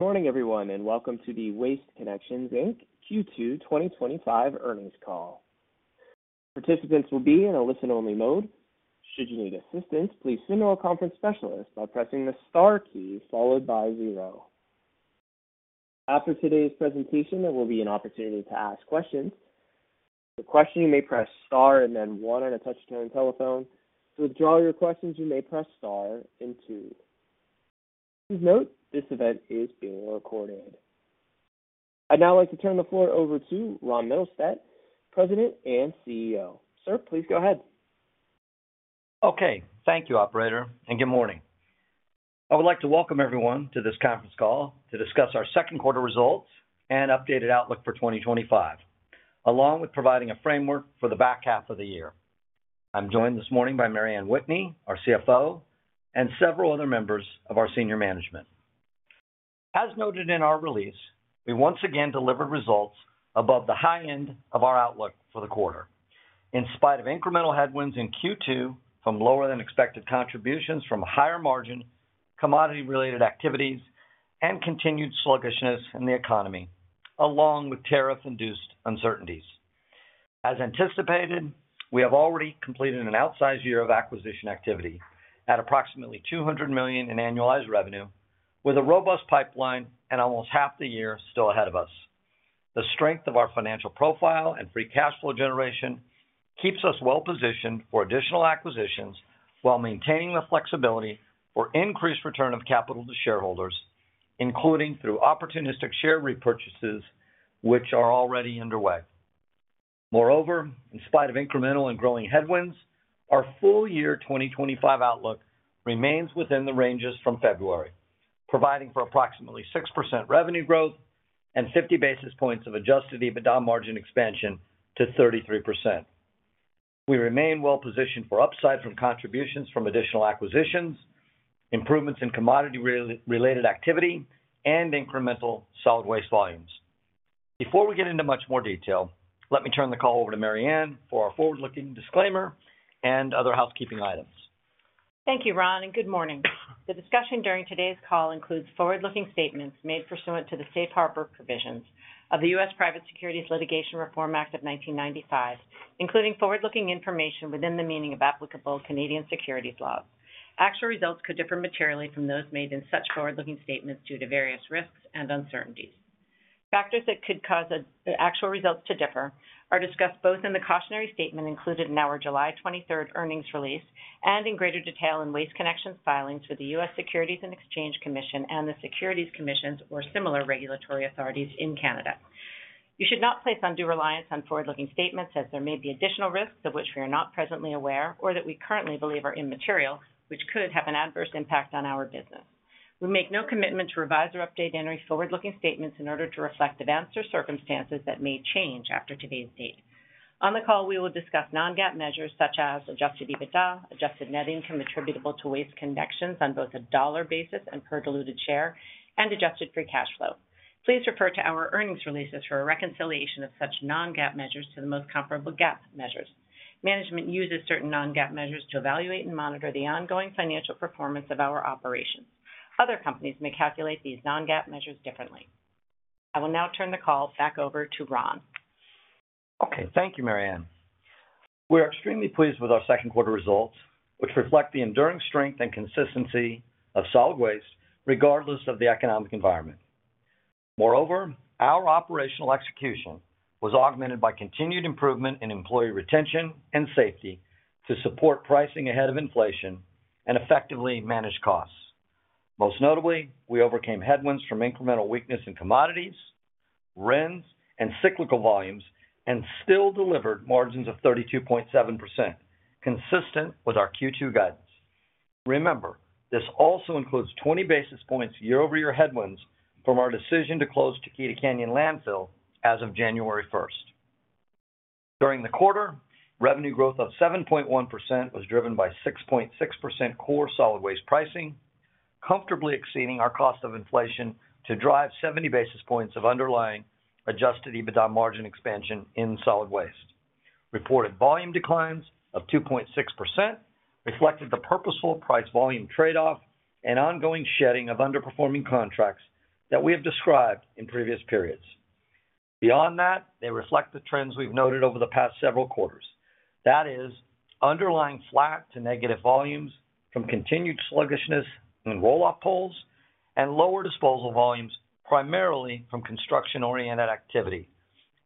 Good morning, everyone, and welcome to the Waste Connections Q2 2025 earnings call. Participants will be in a listen-only mode. Should you need assistance, please send our conference specialist by pressing the star key followed by zero. After today's presentation, there will be an opportunity to ask questions. For questions, you may press star and then one on a touchscreen telephone. To withdraw your questions, you may press star and two. Please note this event is being recorded. I'd now like to turn the floor over to Ronald Mittelstaedt, President and CEO. Sir, please go ahead. Okay. Thank you, Operator, and good morning. I would like to welcome everyone to this conference call to discuss our second quarter results and updated outlook for 2025, along with providing a framework for the back half of the year. I'm joined this morning by Mary Anne Whitney, our CFO, and several other members of our senior management. As noted in our release, we once again delivered results above the high end of our outlook for the quarter, in spite of incremental headwinds in Q2 from lower-than-expected contributions from higher-margin commodity-related activities and continued sluggishness in the economy, along with tariff-induced uncertainties. As anticipated, we have already completed an outsized year of acquisition activity at approximately $200 million in annualized revenue, with a robust pipeline and almost half the year still ahead of us. The strength of our financial profile and free cash flow generation keeps us well-positioned for additional acquisitions while maintaining the flexibility for increased return of capital to shareholders, including through opportunistic share repurchases, which are already underway. Moreover, in spite of incremental and growing headwinds, our full year 2025 outlook remains within the ranges from February, providing for approximately 6% revenue growth and 50 basis points of adjusted EBITDA margin expansion to 33%. We remain well-positioned for upside from contributions from additional acquisitions, improvements in commodity-related activity, and incremental solid waste volumes. Before we get into much more detail, let me turn the call over to Mary Anne for our forward-looking disclaimer and other housekeeping items. Thank you, Ron, and good morning. The discussion during today's call includes forward-looking statements made pursuant to the safe harbor provisions of the U.S. Private Securities Litigation Reform Act of 1995, including forward-looking information within the meaning of applicable Canadian securities laws. Actual results could differ materially from those made in such forward-looking statements due to various risks and uncertainties. Factors that could cause actual results to differ are discussed both in the cautionary statement included in our July 23rd earnings release and in greater detail in Waste Connections filings for the U.S. Securities and Exchange Commission and the securities commissions or similar regulatory authorities in Canada. You should not place undue reliance on forward-looking statements, as there may be additional risks of which we are not presently aware or that we currently believe are immaterial, which could have an adverse impact on our business. We make no commitment to revise or update any forward-looking statements in order to reflect advanced circumstances that may change after today's date. On the call, we will discuss non-GAAP measures such as adjusted EBITDA, adjusted net income attributable to Waste Connections on both a dollar basis and per diluted share, and adjusted free cash flow. Please refer to our earnings releases for a reconciliation of such non-GAAP measures to the most comparable GAAP measures. Management uses certain non-GAAP measures to evaluate and monitor the ongoing financial performance of our operations. Other companies may calculate these non-GAAP measures differently. I will now turn the call back over to Ron. Okay. Thank you, Mary Anne. We are extremely pleased with our second quarter results, which reflect the enduring strength and consistency of solid waste, regardless of the economic environment. Moreover, our operational execution was augmented by continued improvement in employee retention and safety to support pricing ahead of inflation and effectively manage costs. Most notably, we overcame headwinds from incremental weakness in commodities, RENs, and cyclical volumes, and still delivered margins of 32.7%, consistent with our Q2 guidance. Remember, this also includes 20 basis points year-over-year headwinds from our decision to close Chiquita Canyon Landfill as of January 1st. During the quarter, revenue growth of 7.1% was driven by 6.6% core solid waste pricing, comfortably exceeding our cost of inflation to drive 70 basis points of underlying adjusted EBITDA margin expansion in solid waste. Reported volume declines of 2.6% reflected the purposeful price-volume trade-off and ongoing shedding of underperforming contracts that we have described in previous periods. Beyond that, they reflect the trends we've noted over the past several quarters. That is, underlying flat to negative volumes from continued sluggishness in roll-off pulls and lower disposal volumes, primarily from construction-oriented activity,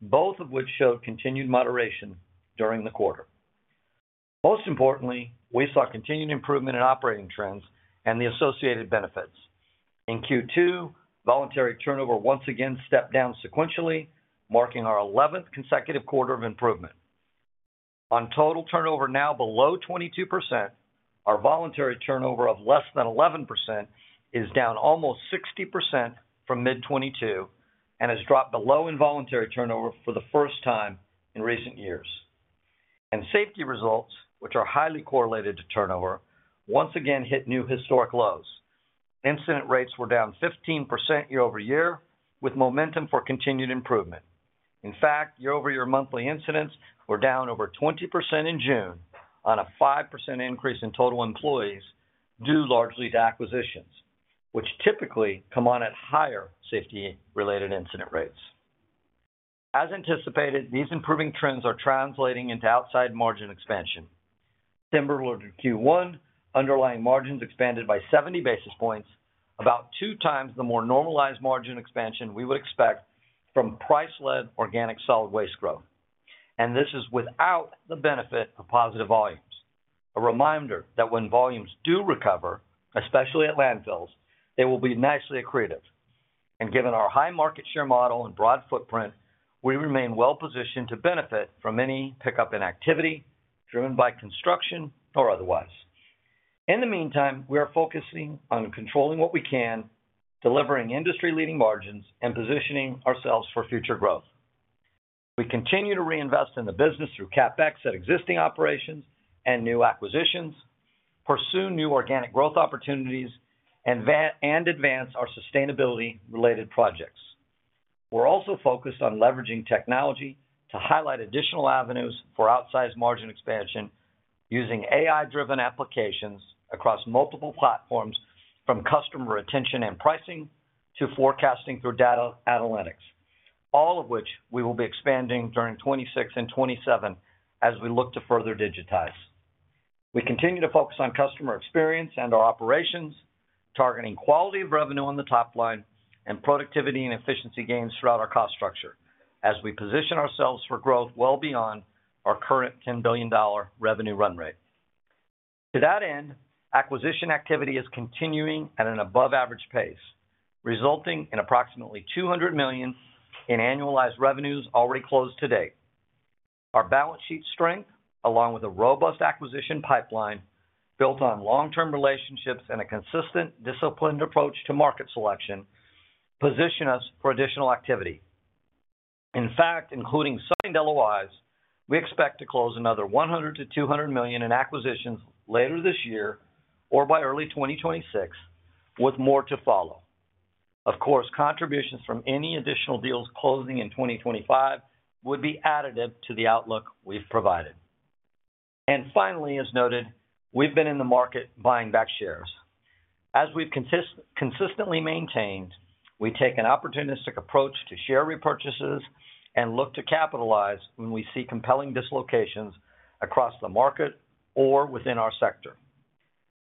both of which showed continued moderation during the quarter. Most importantly, we saw continued improvement in operating trends and the associated benefits. In Q2, voluntary turnover once again stepped down sequentially, marking our 11th consecutive quarter of improvement. On total turnover now below 22%, our voluntary turnover of less than 11% is down almost 60% from mid-2022 and has dropped below involuntary turnover for the first time in recent years. And safety results, which are highly correlated to turnover, once again hit new historic lows. Incident rates were down 15% year-over-year, with momentum for continued improvement. In fact, year-over-year monthly incidents were down over 20% in June on a 5% increase in total employees, due largely to acquisitions, which typically come on at higher safety-related incident rates. As anticipated, these improving trends are translating into outside margin expansion. Similar to Q1, underlying margins expanded by 70 basis points, about two times the more normalized margin expansion we would expect from price-led organic solid waste growth. And this is without the benefit of positive volumes. A reminder that when volumes do recover, especially at landfills, they will be nicely accretive. Given our high market share model and broad footprint, we remain well-positioned to benefit from any pickup in activity driven by construction or otherwise. In the meantime, we are focusing on controlling what we can, delivering industry-leading margins, and positioning ourselves for future growth. We continue to reinvest in the business through CapEx at existing operations and new acquisitions, pursue new organic growth opportunities, and advance our sustainability-related projects. We're also focused on leveraging technology to highlight additional avenues for outsized margin expansion using AI-driven applications across multiple platforms, from customer retention and pricing to forecasting through data analytics, all of which we will be expanding during 2026 and 2027 as we look to further digitize. We continue to focus on customer experience and our operations, targeting quality of revenue on the top line and productivity and efficiency gains throughout our cost structure as we position ourselves for growth well beyond our current $10 billion revenue run rate. To that end, acquisition activity is continuing at an above-average pace, resulting in approximately $200 million in annualized revenues already closed to date. Our balance sheet strength, along with a robust acquisition pipeline built on long-term relationships and a consistent, disciplined approach to market selection, position us for additional activity. In fact, including some deal-wise, we expect to close another $100-$200 million in acquisitions later this year or by early 2026, with more to follow. Of course, contributions from any additional deals closing in 2025 would be additive to the outlook we've provided. Finally, as noted, we've been in the market buying back shares. As we've consistently maintained, we take an opportunistic approach to share repurchases and look to capitalize when we see compelling dislocations across the market or within our sector.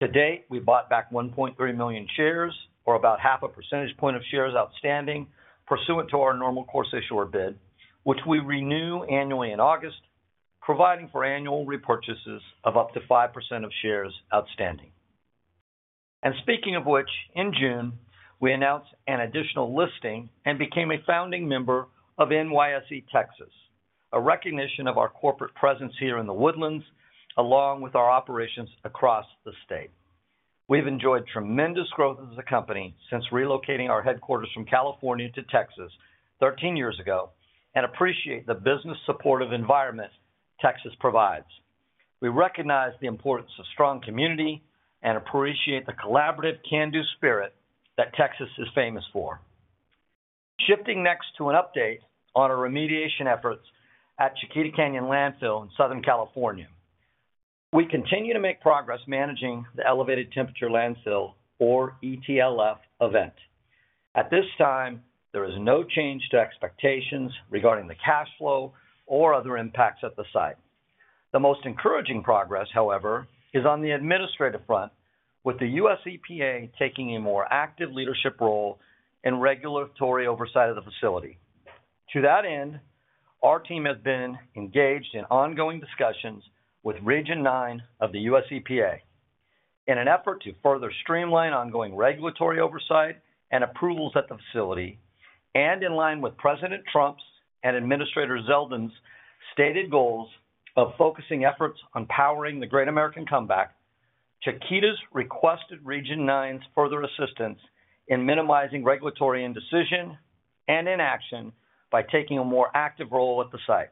To date, we bought back 1.3 million shares, or about half a percentage point of shares outstanding, pursuant to our normal course issuer bid, which we renew annually in August, providing for annual repurchases of up to 5% of shares outstanding. Speaking of which, in June, we announced an additional listing and became a founding member of NYSE Texas, a recognition of our corporate presence here in The Woodlands, along with our operations across the state. We've enjoyed tremendous growth as a company since relocating our headquarters from California to Texas 13 years ago and appreciate the business supportive environment Texas provides. We recognize the importance of strong community and appreciate the collaborative can-do spirit that Texas is famous for. Shifting next to an update on our remediation efforts at Chiquita Canyon Landfill in Southern California. We continue to make progress managing the elevated temperature landfill, or ETLF, event. At this time, there is no change to expectations regarding the cash flow or other impacts at the site. The most encouraging progress, however, is on the administrative front, with the USEPA taking a more active leadership role in regulatory oversight of the facility. To that end, our team has been engaged in ongoing discussions with Region 9 of the USEPA in an effort to further streamline ongoing regulatory oversight and approvals at the facility, and in line with President Trump's and Administrator Zeldin's stated goals of focusing efforts on powering the Great American Comeback, Chiquita's requested Region 9's further assistance in minimizing regulatory indecision and inaction by taking a more active role at the site.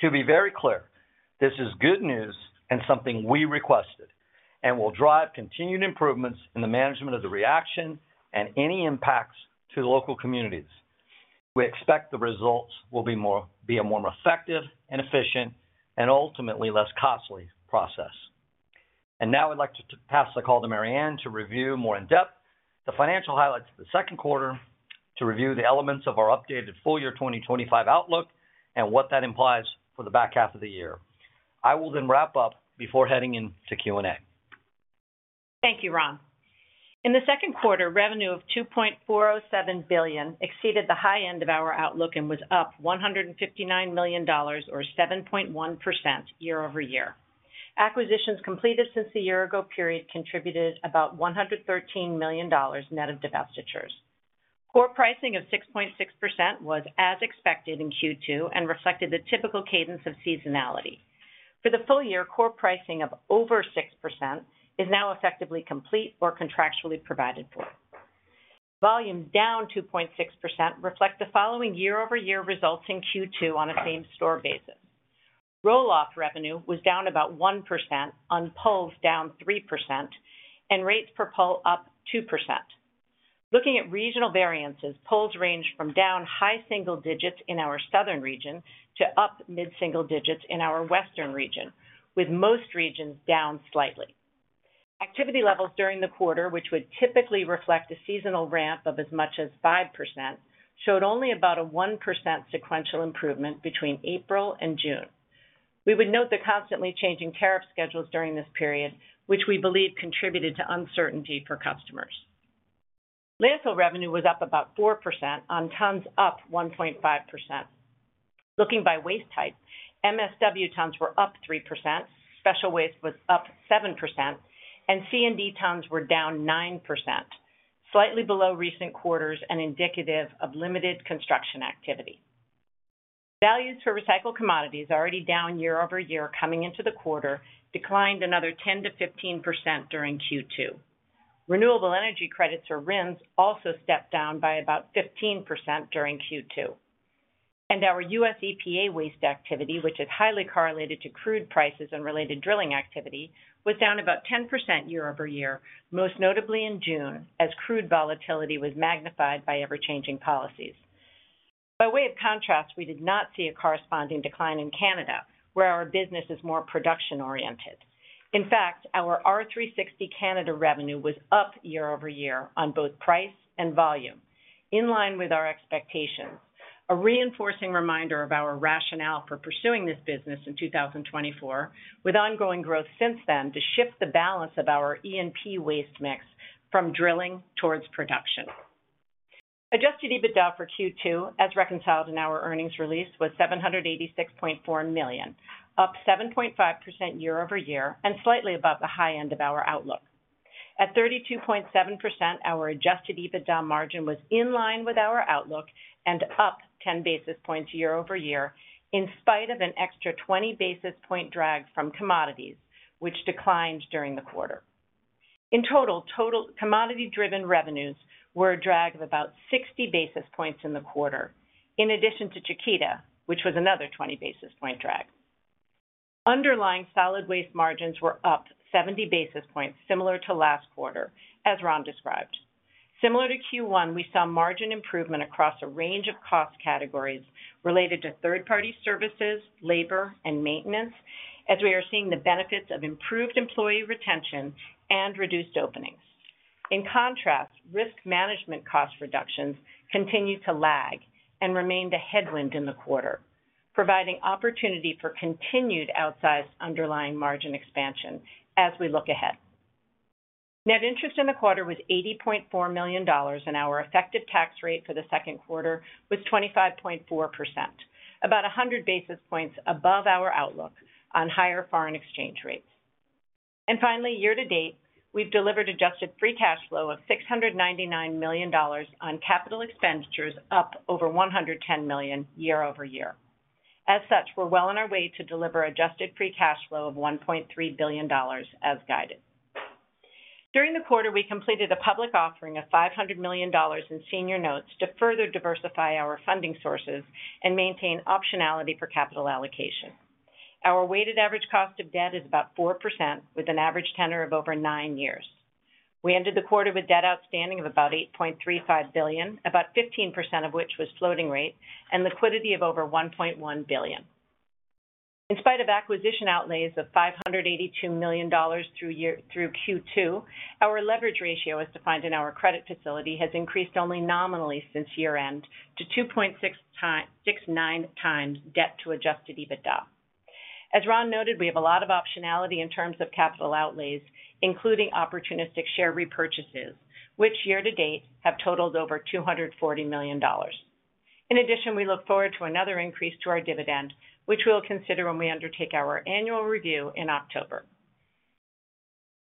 To be very clear, this is good news and something we requested, and will drive continued improvements in the management of the reaction and any impacts to local communities. We expect the results will be a more effective and efficient and ultimately less costly process. I would like to pass the call to Mary Anne to review more in-depth the financial highlights of the second quarter, to review the elements of our updated full year 2025 outlook and what that implies for the back half of the year. I will then wrap up before heading into Q&A. Thank you, Ron. In the second quarter, revenue of $2.407 billion exceeded the high end of our outlook and was up $159 million, or 7.1%, year-over-year. Acquisitions completed since the year-ago period contributed about $113 million net of divestitures. Core pricing of 6.6% was as expected in Q2 and reflected the typical cadence of seasonality. For the full year, core pricing of over 6% is now effectively complete or contractually provided for. Volumes down 2.6% reflect the following year-over-year results in Q2 on a same-store basis. Roll-off revenue was down about 1% on pulls, down 3%, and rates per pull up 2%. Looking at regional variances, pulls ranged from down high single digits in our Southern region to up mid-single digits in our Western region, with most regions down slightly. Activity levels during the quarter, which would typically reflect a seasonal ramp of as much as 5%, showed only about a 1% sequential improvement between April and June. We would note the constantly changing tariff schedules during this period, which we believe contributed to uncertainty for customers. Landfill revenue was up about 4% on tons up 1.5%. Looking by waste type, MSW tons were up 3%, special waste was up 7%, and C&D tons were down 9%, slightly below recent quarters and indicative of limited construction activity. Values for recycled commodities already down year-over-year coming into the quarter declined another 10-15% during Q2. Renewable energy credits, or RENs, also stepped down by about 15% during Q2. And our USEPA waste activity, which is highly correlated to crude prices and related drilling activity, was down about 10% year-over-year, most notably in June, as crude volatility was magnified by ever-changing policies. By way of contrast, we did not see a corresponding decline in Canada, where our business is more production-oriented. In fact, our R360 Canada revenue was up year-over-year on both price and volume, in line with our expectations, a reinforcing reminder of our rationale for pursuing this business in 2024, with ongoing growth since then to shift the balance of our E&P waste mix from drilling towards production. Adjusted EBITDA for Q2, as reconciled in our earnings release, was $786.4 million, up 7.5% year-over-year and slightly above the high end of our outlook. At 32.7%, our adjusted EBITDA margin was in line with our outlook and up 10 basis points year-over-year, in spite of an extra 20 basis point drag from commodities, which declined during the quarter. In total, commodity-driven revenues were a drag of about 60 basis points in the quarter, in addition to Chiquita, which was another 20 basis point drag. Underlying solid waste margins were up 70 basis points, similar to last quarter, as Ron described. Similar to Q1, we saw margin improvement across a range of cost categories related to third-party services, labor, and maintenance, as we are seeing the benefits of improved employee retention and reduced openings. In contrast, risk management cost reductions continued to lag and remained a headwind in the quarter, providing opportunity for continued outsized underlying margin expansion as we look ahead. Net interest in the quarter was $80.4 million, and our effective tax rate for the second quarter was 25.4%, about 100 basis points above our outlook on higher foreign exchange rates. Finally, year to date, we've delivered adjusted free cash flow of $699 million on capital expenditures, up over $110 million year-over-year. As such, we're well on our way to deliver adjusted free cash flow of $1.3 billion, as guided. During the quarter, we completed a public offering of $500 million in senior notes to further diversify our funding sources and maintain optionality for capital allocation. Our weighted average cost of debt is about 4%, with an average tenor of over nine years. We ended the quarter with debt outstanding of about $8.35 billion, about 15% of which was floating rate, and liquidity of over $1.1 billion. In spite of acquisition outlays of $582 million through Q2, our leverage ratio, as defined in our credit facility, has increased only nominally since year-end to 2.69 times debt to adjusted EBITDA. As Ron noted, we have a lot of optionality in terms of capital outlays, including opportunistic share repurchases, which year to date have totaled over $240 million. In addition, we look forward to another increase to our dividend, which we'll consider when we undertake our annual review in October.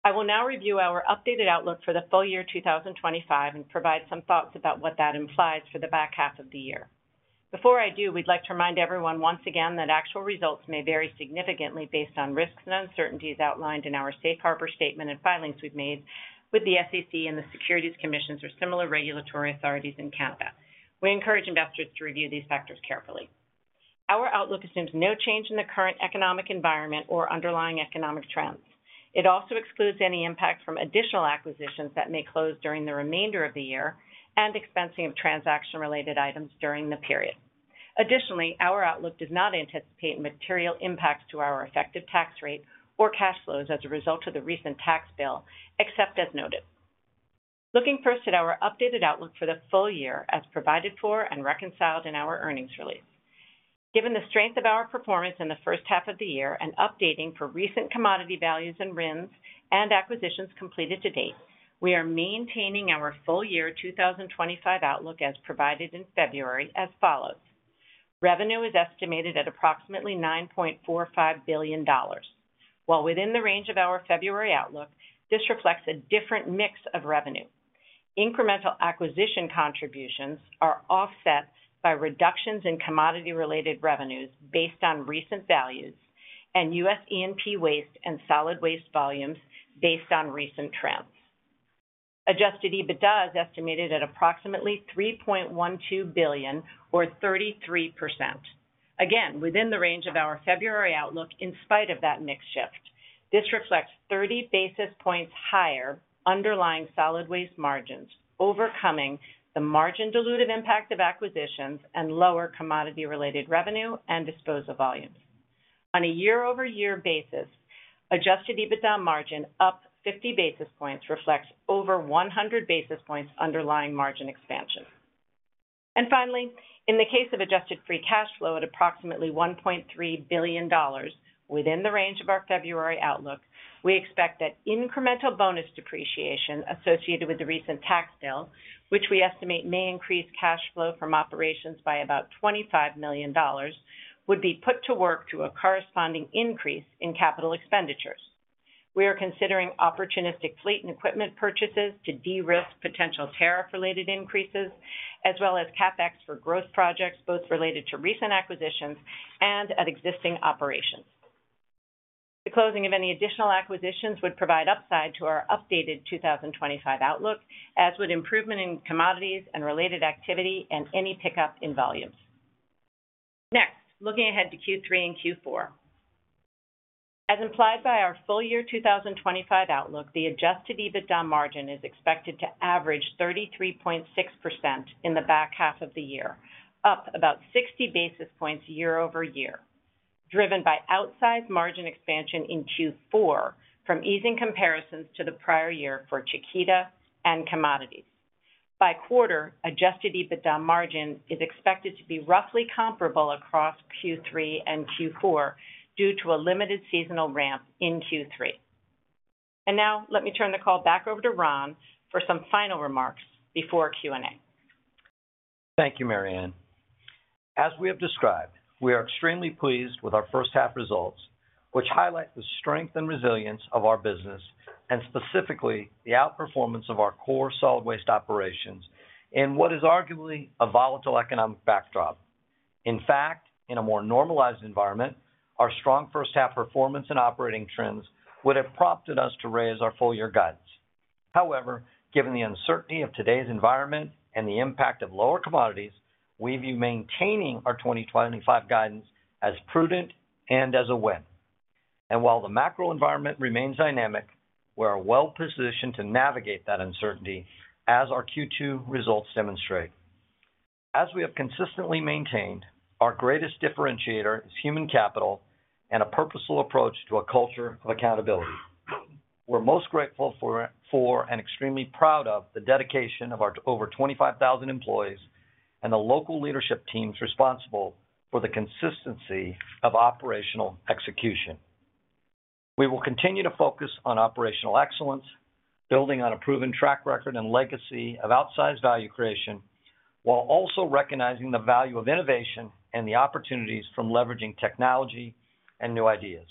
I will now review our updated outlook for the full year 2025 and provide some thoughts about what that implies for the back half of the year. Before I do, we'd like to remind everyone once again that actual results may vary significantly based on risks and uncertainties outlined in our Safe Harbor Statement and filings we've made with the SEC and the Securities Commissions or similar regulatory authorities in Canada. We encourage investors to review these factors carefully. Our outlook assumes no change in the current economic environment or underlying economic trends. It also excludes any impact from additional acquisitions that may close during the remainder of the year and expensing of transaction-related items during the period. Additionally, our outlook does not anticipate material impacts to our effective tax rate or cash flows as a result of the recent tax bill, except as noted. Looking first at our updated outlook for the full year, as provided for and reconciled in our earnings release. Given the strength of our performance in the first half of the year and updating for recent commodity values and RENs and acquisitions completed to date, we are maintaining our full year 2025 outlook as provided in February as follows. Revenue is estimated at approximately $9.45 billion. While within the range of our February outlook, this reflects a different mix of revenue. Incremental acquisition contributions are offset by reductions in commodity-related revenues based on recent values and U.S. E&P waste and solid waste volumes based on recent trends. Adjusted EBITDA is estimated at approximately $3.12 billion, or 33%. Again, within the range of our February outlook, in spite of that mix shift, this reflects 30 basis points higher underlying solid waste margins, overcoming the margin-diluted impact of acquisitions and lower commodity-related revenue and disposal volumes. On a year-over-year basis, adjusted EBITDA margin up 50 basis points reflects over 100 basis points underlying margin expansion. Finally, in the case of adjusted free cash flow at approximately $1.3 billion, within the range of our February outlook, we expect that incremental bonus depreciation associated with the recent tax bill, which we estimate may increase cash flow from operations by about $25 million, would be put to work to a corresponding increase in capital expenditures. We are considering opportunistic fleet and equipment purchases to de-risk potential tariff-related increases, as well as CapEx for growth projects, both related to recent acquisitions and at existing operations. The closing of any additional acquisitions would provide upside to our updated 2025 outlook, as would improvement in commodities and related activity and any pickup in volumes. Next, looking ahead to Q3 and Q4. As implied by our full year 2025 outlook, the adjusted EBITDA margin is expected to average 33.6% in the back half of the year, up about 60 basis points year-over-year, driven by outsized margin expansion in Q4 from easing comparisons to the prior year for Chiquita and commodities. By quarter, adjusted EBITDA margin is expected to be roughly comparable across Q3 and Q4 due to a limited seasonal ramp in Q3. Now, let me turn the call back over to Ron for some final remarks before Q&A. Thank you, Mary Anne. As we have described, we are extremely pleased with our first-half results, which highlight the strength and resilience of our business and specifically the outperformance of our core solid waste operations in what is arguably a volatile economic backdrop. In fact, in a more normalized environment, our strong first-half performance and operating trends would have prompted us to raise our full-year guidance. However, given the uncertainty of today's environment and the impact of lower commodities, we view maintaining our 2025 guidance as prudent and as a win. While the macro environment remains dynamic, we are well-positioned to navigate that uncertainty, as our Q2 results demonstrate. As we have consistently maintained, our greatest differentiator is human capital and a purposeful approach to a culture of accountability. We're most grateful for and extremely proud of the dedication of our over 25,000 employees and the local leadership teams responsible for the consistency of operational execution. We will continue to focus on operational excellence, building on a proven track record and legacy of outsized value creation, while also recognizing the value of innovation and the opportunities from leveraging technology and new ideas.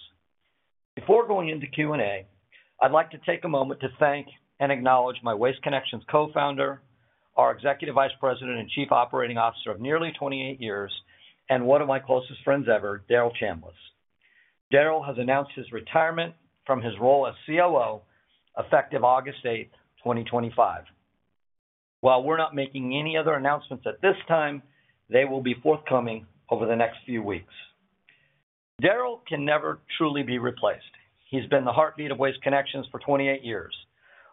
Before going into Q&A, I'd like to take a moment to thank and acknowledge my Waste Connections co-founder, our Executive Vice President and Chief Operating Officer of nearly 28 years, and one of my closest friends ever, Darrell Chambliss. Darrell has announced his retirement from his role as COO, effective August 8, 2025. While we're not making any other announcements at this time, they will be forthcoming over the next few weeks. Darrell can never truly be replaced. He's been the heartbeat of Waste Connections for 28 years.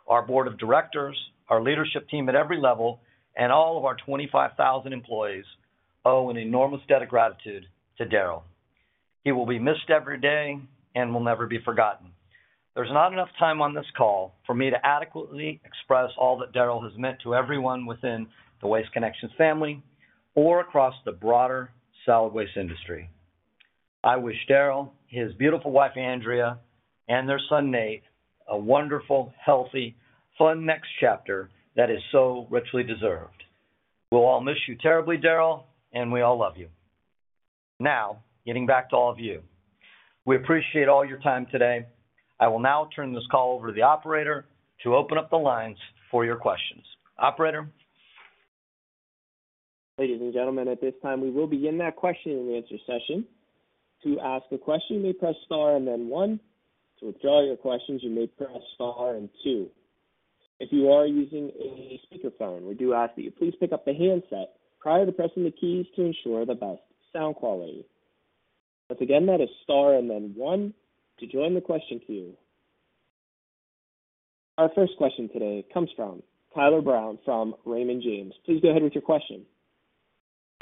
Our board of directors, our leadership team at every level, and all of our 25,000 employees owe an enormous debt of gratitude to Darrell. He will be missed every day and will never be forgotten. There's not enough time on this call for me to adequately express all that Darrell has meant to everyone within the Waste Connections family or across the broader solid waste industry. I wish Darrell, his beautiful wife, Andrea, and their son, Nate, a wonderful, healthy, fun next chapter that is so richly deserved. We'll all miss you terribly, Darrell, and we all love you. Now, getting back to all of you. We appreciate all your time today. I will now turn this call over to the operator to open up the lines for your questions. Operator. Ladies and gentlemen, at this time, we will begin that question-and-answer session. To ask a question, you may press star and then one. To withdraw your questions, you may press star and two. If you are using a speakerphone, we do ask that you please pick up the handset prior to pressing the keys to ensure the best sound quality. Once again, that is star and then one to join the question queue. Our first question today comes from Tyler Brown from Raymond James. Please go ahead with your question.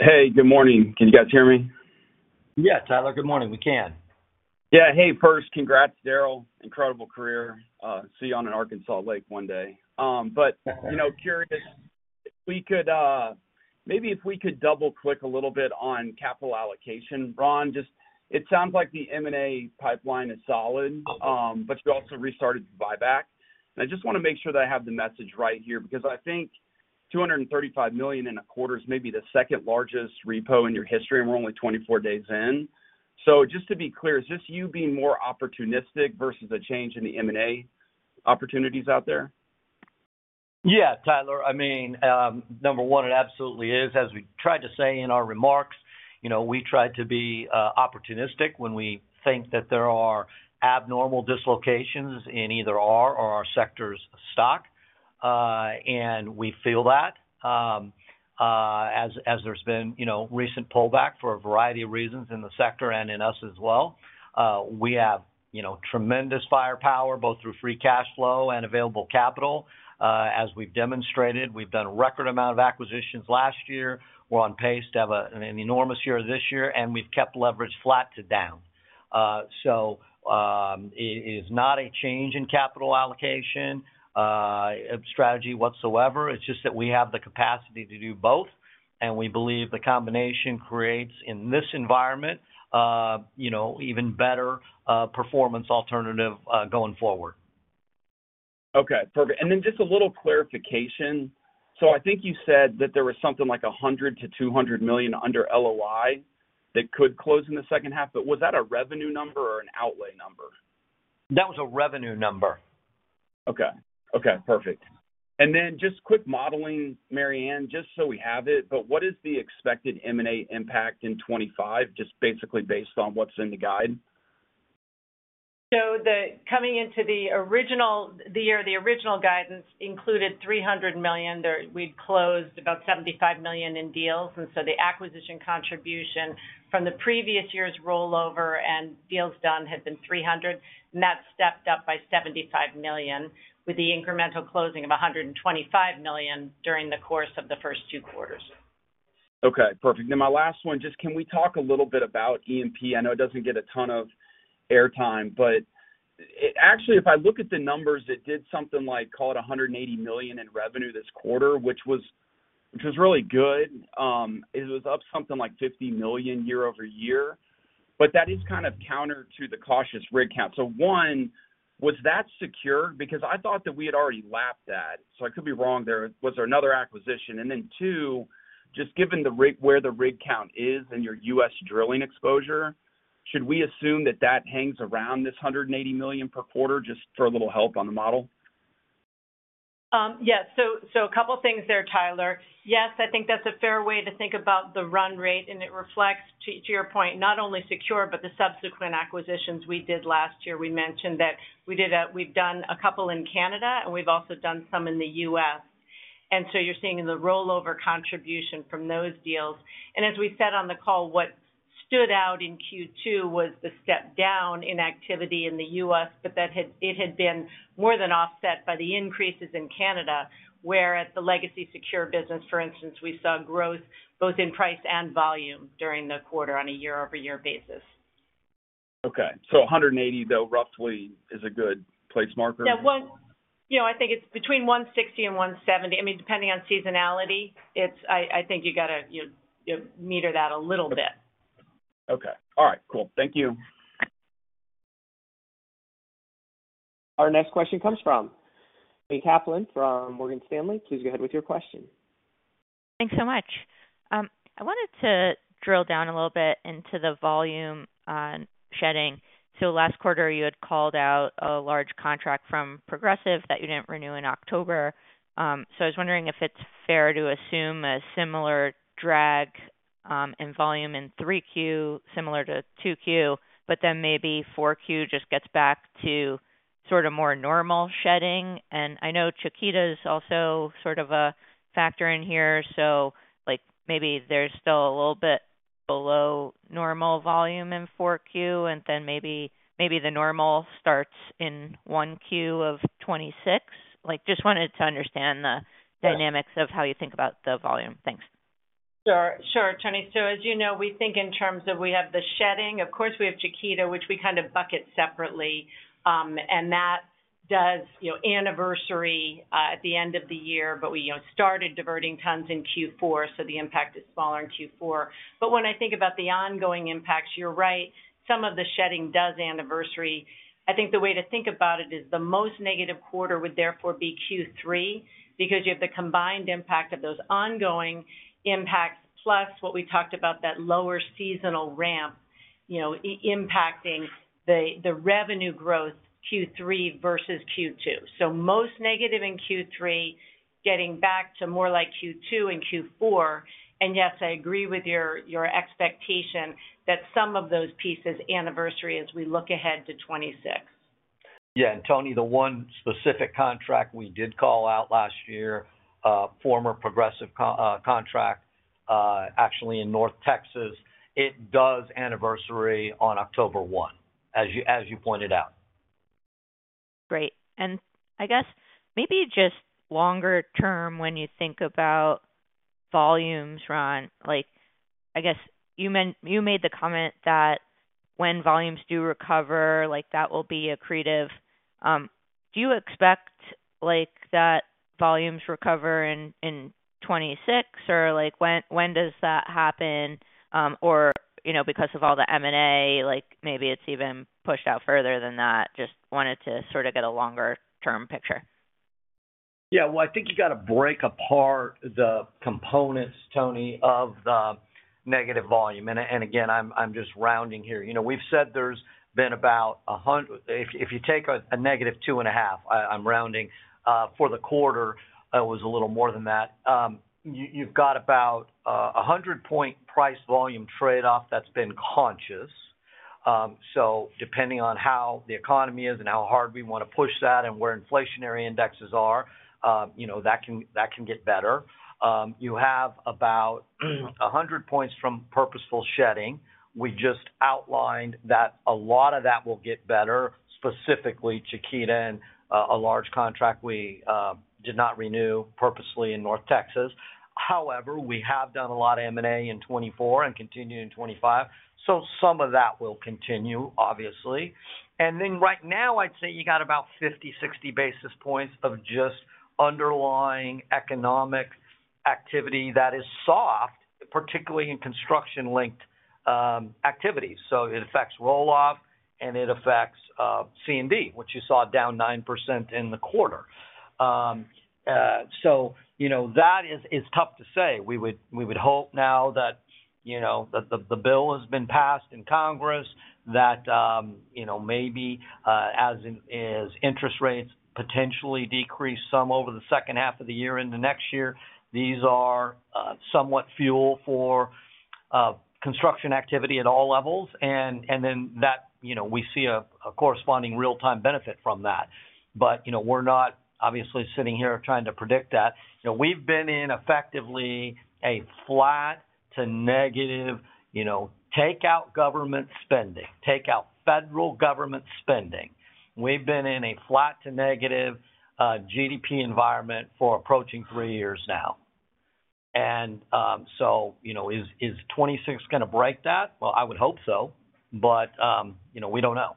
Hey, good morning. Can you guys hear me? Yeah, Tyler, good morning. We can. Yeah, hey, first, congrats, Darrell. Incredible career. See you on an Arkansas Lake one day. Curious if we could maybe double-click a little bit on capital allocation. Ron, it sounds like the M&A pipeline is solid, but you also restarted buyback. I just want to make sure that I have the message right here because I think $235 million in a quarter is maybe the second largest repo in your history, and we are only 24 days in. Just to be clear, is this you being more opportunistic versus a change in the M&A opportunities out there? Yeah, Tyler. I mean, number one, it absolutely is. As we tried to say in our remarks, we tried to be opportunistic when we think that there are abnormal dislocations in either our or our sector's stock. And we feel that. As there's been recent pullback for a variety of reasons in the sector and in us as well. We have tremendous firepower, both through free cash flow and available capital. As we've demonstrated, we've done a record amount of acquisitions last year. We're on pace to have an enormous year this year, and we've kept leverage flat to down. It is not a change in capital allocation strategy whatsoever. It's just that we have the capacity to do both, and we believe the combination creates, in this environment, even better performance alternative going forward. Okay, perfect. And then just a little clarification. I think you said that there was something like $100 million-$200 million under LOI that could close in the second half, but was that a revenue number or an outlay number? That was a revenue number. Okay. Okay, perfect. And then just quick modeling, Mary Anne, just so we have it, but what is the expected M&A impact in 2025, just basically based on what's in the guide? Coming into the original year, the original guidance included $300 million. We'd closed about $75 million in deals, and so the acquisition contribution from the previous year's rollover and deals done had been $300 million, and that stepped up by $75 million with the incremental closing of $125 million during the course of the first two quarters. Okay, perfect. Then my last one, just can we talk a little bit about E&P? I know it doesn't get a ton of airtime, but actually, if I look at the numbers, it did something like, call it $180 million in revenue this quarter, which was really good. It was up something like $50 million year-over-year. That is kind of counter to the cautious rig count. One, was that secure? Because I thought that we had already lapped that. I could be wrong there. Was there another acquisition? Two, just given where the rig count is and your U.S. drilling exposure, should we assume that that hangs around this $180 million per quarter just for a little help on the model? Yeah, so a couple of things there, Tyler. Yes, I think that's a fair way to think about the run rate, and it reflects, to your point, not only secure, but the subsequent acquisitions we did last year. We mentioned that we've done a couple in Canada, and we've also done some in the U.S. You are seeing the rollover contribution from those deals. As we said on the call, what stood out in Q2 was the step down in activity in the U.S., but it had been more than offset by the increases in Canada, where at the legacy secure business, for instance, we saw growth both in price and volume during the quarter on a year-over-year basis. Okay. So 180, though, roughly, is a good place marker? Yeah. I think it's between 160 and 170. I mean, depending on seasonality, I think you got to meter that a little bit. Okay. All right. Cool. Thank you. Our next question comes from Kaplan from Morgan Stanley. Please go ahead with your question. Thanks so much. I wanted to drill down a little bit into the volume on shedding. Last quarter, you had called out a large contract from Progressive that you did not renew in October. I was wondering if it is fair to assume a similar drag in volume in 3Q, similar to 2Q, but then maybe 4Q just gets back to sort of more normal shedding. I know Chiquita is also sort of a factor in here, so maybe there is still a little bit below normal volume in 4Q, and then maybe the normal starts in 1Q of 2026. Just wanted to understand the dynamics of how you think about the volume. Thanks. Sure. Sure, Toni. As you know, we think in terms of we have the shedding. Of course, we have Chiquita, which we kind of bucket separately. That does anniversary at the end of the year, but we started diverting tons in Q4, so the impact is smaller in Q4. When I think about the ongoing impacts, you're right, some of the shedding does anniversary. I think the way to think about it is the most negative quarter would therefore be Q3 because you have the combined impact of those ongoing impacts plus what we talked about, that lower seasonal ramp impacting the revenue growth Q3 versus Q2. Most negative in Q3, getting back to more like Q2 and Q4. Yes, I agree with your expectation that some of those pieces anniversary as we look ahead to 2026. Yeah. Toni, the one specific contract we did call out last year, former Progressive contract, actually in North Texas, it does anniversary on October 1, as you pointed out. Great. I guess maybe just longer term when you think about volumes, Ron, I guess you made the comment that when volumes do recover, that will be accretive. Do you expect that volumes recover in 2026, or when does that happen? Or because of all the M&A, maybe it is even pushed out further than that. Just wanted to sort of get a longer-term picture. Yeah. I think you got to break apart the components, Toni, of the negative volume. Again, I'm just rounding here. We've said there's been about. If you take a negative two and a half, I'm rounding, for the quarter, it was a little more than that. You have about a 100-point price-volume trade-off that's been conscious. Depending on how the economy is and how hard we want to push that and where inflationary indexes are, that can get better. You have about 100 points from purposeful shedding. We just outlined that a lot of that will get better, specifically Chiquita and a large contract we did not renew purposely in North Texas. However, we have done a lot of M&A in 2024 and continue in 2025. Some of that will continue, obviously. Right now, I'd say you have about 50-60 basis points of just underlying economic activity that is soft, particularly in construction-linked activities. It affects rolloff, and it affects C&D, which you saw down 9% in the quarter. That is tough to say. We would hope now that the bill has been passed in Congress, that maybe, as interest rates potentially decrease some over the second half of the year into next year, these are somewhat fuel for construction activity at all levels. Then that we see a corresponding real-time benefit from that. We're not obviously sitting here trying to predict that. We've been in effectively a flat to negative. Take out government spending, take out federal government spending. We've been in a flat to negative GDP environment for approaching three years now. Is 2026 going to break that? I would hope so, but we do not know.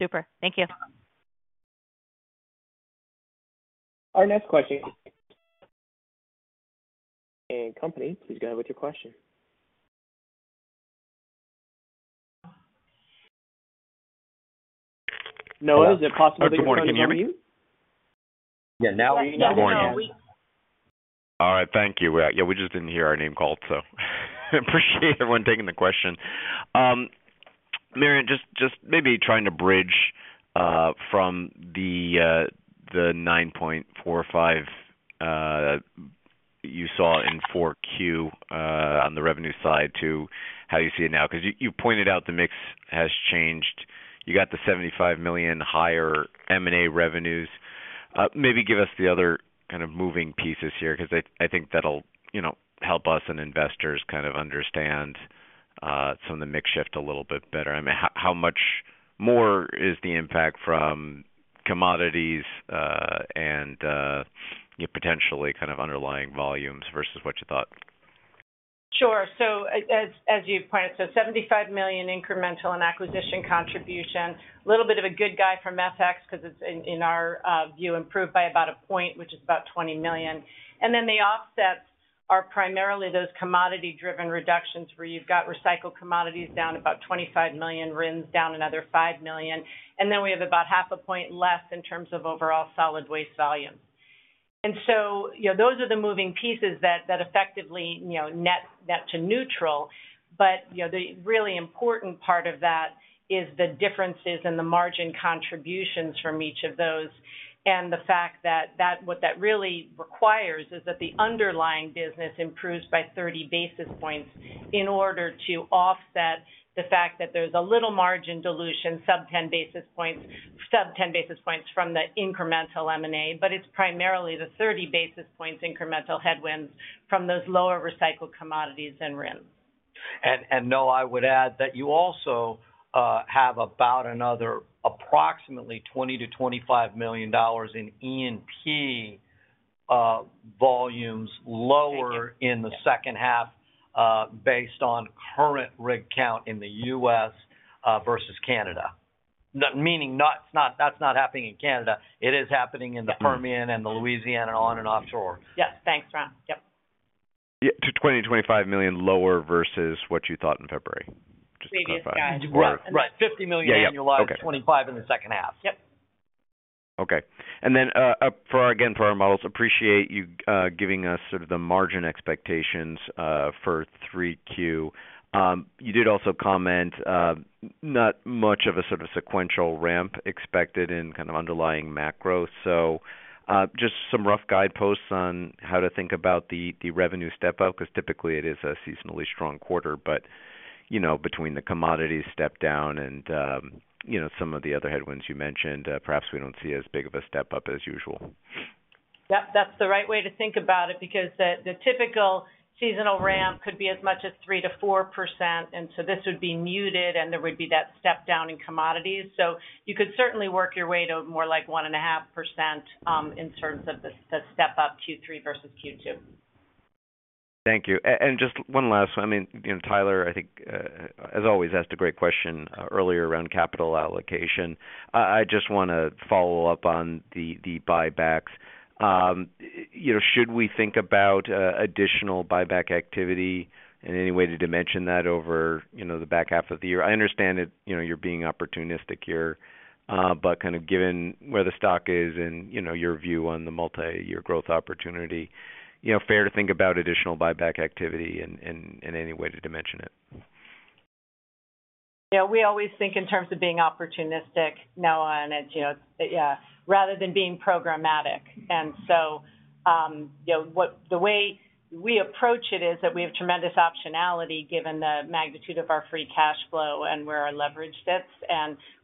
Super. Thank you. Our next question. Company, please go ahead with your question. Noah, is it possible to hear you? Good morning. Can you hear me? Yeah. Now we can hear you. Good morning. All right. Thank you. Yeah, we just didn't hear our name called, so I appreciate everyone taking the question. Mary Anne, just maybe trying to bridge from the $9.45 you saw in Q4 on the revenue side to how you see it now. Because you pointed out the mix has changed. You got the $75 million higher M&A revenues. Maybe give us the other kind of moving pieces here because I think that'll help us and investors kind of understand some of the mix shift a little bit better. I mean, how much more is the impact from commodities and potentially kind of underlying volumes versus what you thought? Sure. As you pointed out, $75 million incremental in acquisition contribution, a little bit of a good guy for Methacs because it is, in our view, improved by about a point, which is about $20 million. The offsets are primarily those commodity-driven reductions where you have recycled commodities down about $25 million, RINs down another $5 million. We have about half a point less in terms of overall solid waste volumes. Those are the moving pieces that effectively net to neutral. The really important part of that is the differences in the margin contributions from each of those. The fact is that what that really requires is that the underlying business improves by 30 basis points in order to offset the fact that there is a little margin dilution, sub 10 basis points, from the incremental M&A, but it is primarily the 30 basis points incremental headwinds from those lower recycled commodities and RINs. Noah, I would add that you also have about another approximately $20 million-$25 million in E&P volumes lower in the second half. Based on current rig count in the U.S. versus Canada. Meaning that's not happening in Canada. It is happening in the Permian and the Louisiana on and offshore. Yes. Thanks, Ron. Yep. Yeah. To $20 million-$25 million lower versus what you thought in February? Previous guide. Right. $50 million in your log, $25 million in the second half. Yep. Okay. And then again, for our models, appreciate you giving us sort of the margin expectations for 3Q. You did also comment. Not much of a sort of sequential ramp expected in kind of underlying macro. Just some rough guideposts on how to think about the revenue step-up because typically it is a seasonally strong quarter, but between the commodities step-down and some of the other headwinds you mentioned, perhaps we do not see as big of a step-up as usual. Yep. That's the right way to think about it because the typical seasonal ramp could be as much as 3-4%. This would be muted, and there would be that step-down in commodities. You could certainly work your way to more like 1.5% in terms of the step-up Q3 versus Q2. Thank you. And just one last one. I mean, Tyler, I think, as always, asked a great question earlier around capital allocation. I just want to follow up on the buybacks. Should we think about additional buyback activity in any way to dimension that over the back half of the year? I understand that you're being opportunistic here, but kind of given where the stock is and your view on the multi-year growth opportunity, fair to think about additional buyback activity in any way to dimension it? Yeah. We always think in terms of being opportunistic, Noah, and it's, yeah, rather than being programmatic. The way we approach it is that we have tremendous optionality given the magnitude of our free cash flow and where our leverage sits.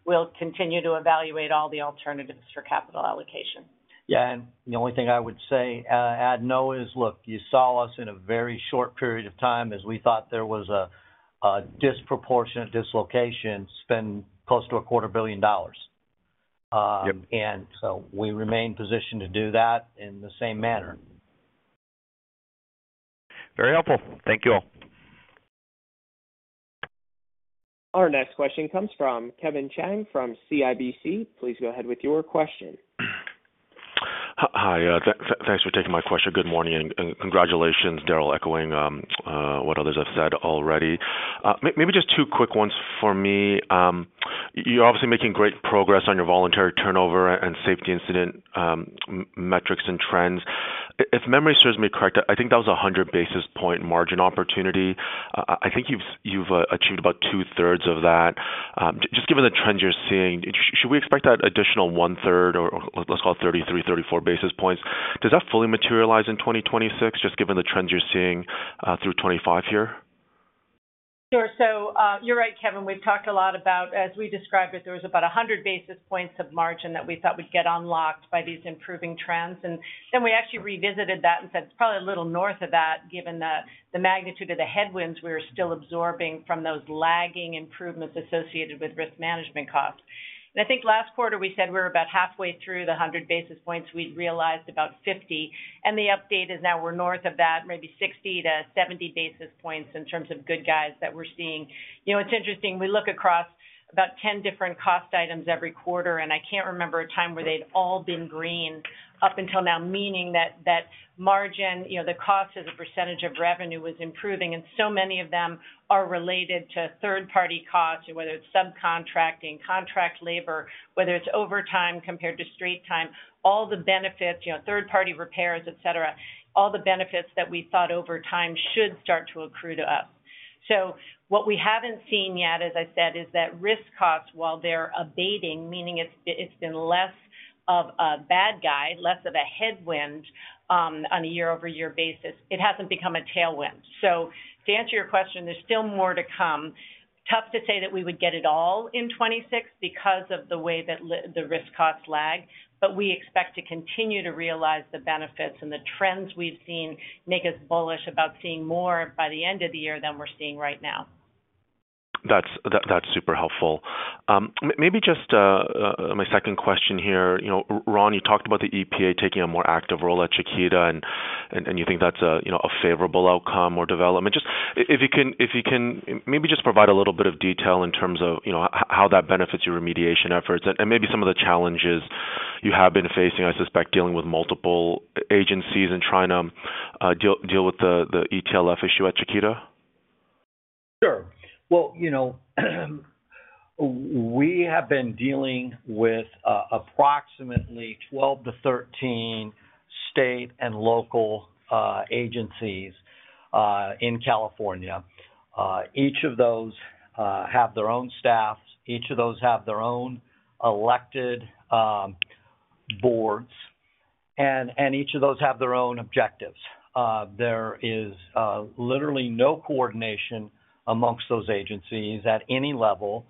We'll continue to evaluate all the alternatives for capital allocation. Yeah. The only thing I would say, add Noah is, look, you saw us in a very short period of time as we thought there was a disproportionate dislocation spend close to a quarter billion dollars. We remain positioned to do that in the same manner. Very helpful. Thank you all. Our next question comes from Kevin Chang from CIBC. Please go ahead with your question. Hi. Thanks for taking my question. Good morning. And congratulations, Darrell, echoing what others have said already. Maybe just two quick ones for me. You're obviously making great progress on your voluntary turnover and safety incident metrics and trends. If memory serves me correct, I think that was a 100 basis point margin opportunity. I think you've achieved about two-thirds of that. Just given the trends you're seeing, should we expect that additional one-third, or let's call it 33, 34 basis points, does that fully materialize in 2026, just given the trends you're seeing through 2025 here? Sure. You're right, Kevin. We've talked a lot about, as we described it, there was about 100 basis points of margin that we thought would get unlocked by these improving trends. We actually revisited that and said it's probably a little north of that, given the magnitude of the headwinds we were still absorbing from those lagging improvements associated with risk management costs. I think last quarter we said we were about halfway through the 100 basis points. We realized about 50. The update is now we're north of that, maybe 60-70 basis points in terms of good guys that we're seeing. It's interesting. We look across about 10 different cost items every quarter, and I can't remember a time where they'd all been green up until now, meaning that margin, the cost as a percentage of revenue, was improving. Many of them are related to third-party costs, whether it's subcontracting, contract labor, whether it's overtime compared to straight time, all the benefits, third-party repairs, etc., all the benefits that we thought over time should start to accrue to us. What we haven't seen yet, as I said, is that risk costs, while they're abating, meaning it's been less of a bad guy, less of a headwind. On a year-over-year basis, it hasn't become a tailwind. To answer your question, there's still more to come. Tough to say that we would get it all in 2026 because of the way that the risk costs lag, but we expect to continue to realize the benefits and the trends we've seen make us bullish about seeing more by the end of the year than we're seeing right now. That's super helpful. Maybe just my second question here. Ron, you talked about the EPA taking a more active role at Chiquita, and you think that's a favorable outcome or development. Just if you can, maybe just provide a little bit of detail in terms of how that benefits your remediation efforts and maybe some of the challenges you have been facing, I suspect, dealing with multiple agencies and trying to deal with the ETLF issue at Chiquita. Sure. We have been dealing with approximately 12-13 state and local agencies in California. Each of those have their own staff. Each of those have their own elected boards. And each of those have their own objectives. There is literally no coordination amongst those agencies at any level.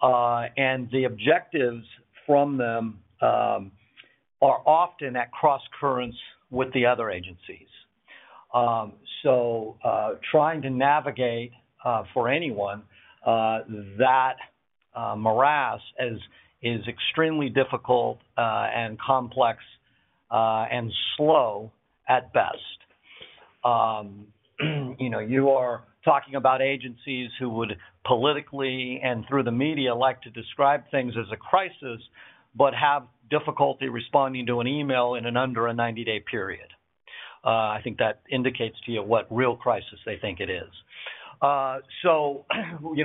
The objectives from them are often at cross currents with the other agencies. Trying to navigate for anyone that morass is extremely difficult and complex, and slow at best. You are talking about agencies who would politically and through the media like to describe things as a crisis, but have difficulty responding to an email in under a 90-day period. I think that indicates to you what real crisis they think it is. We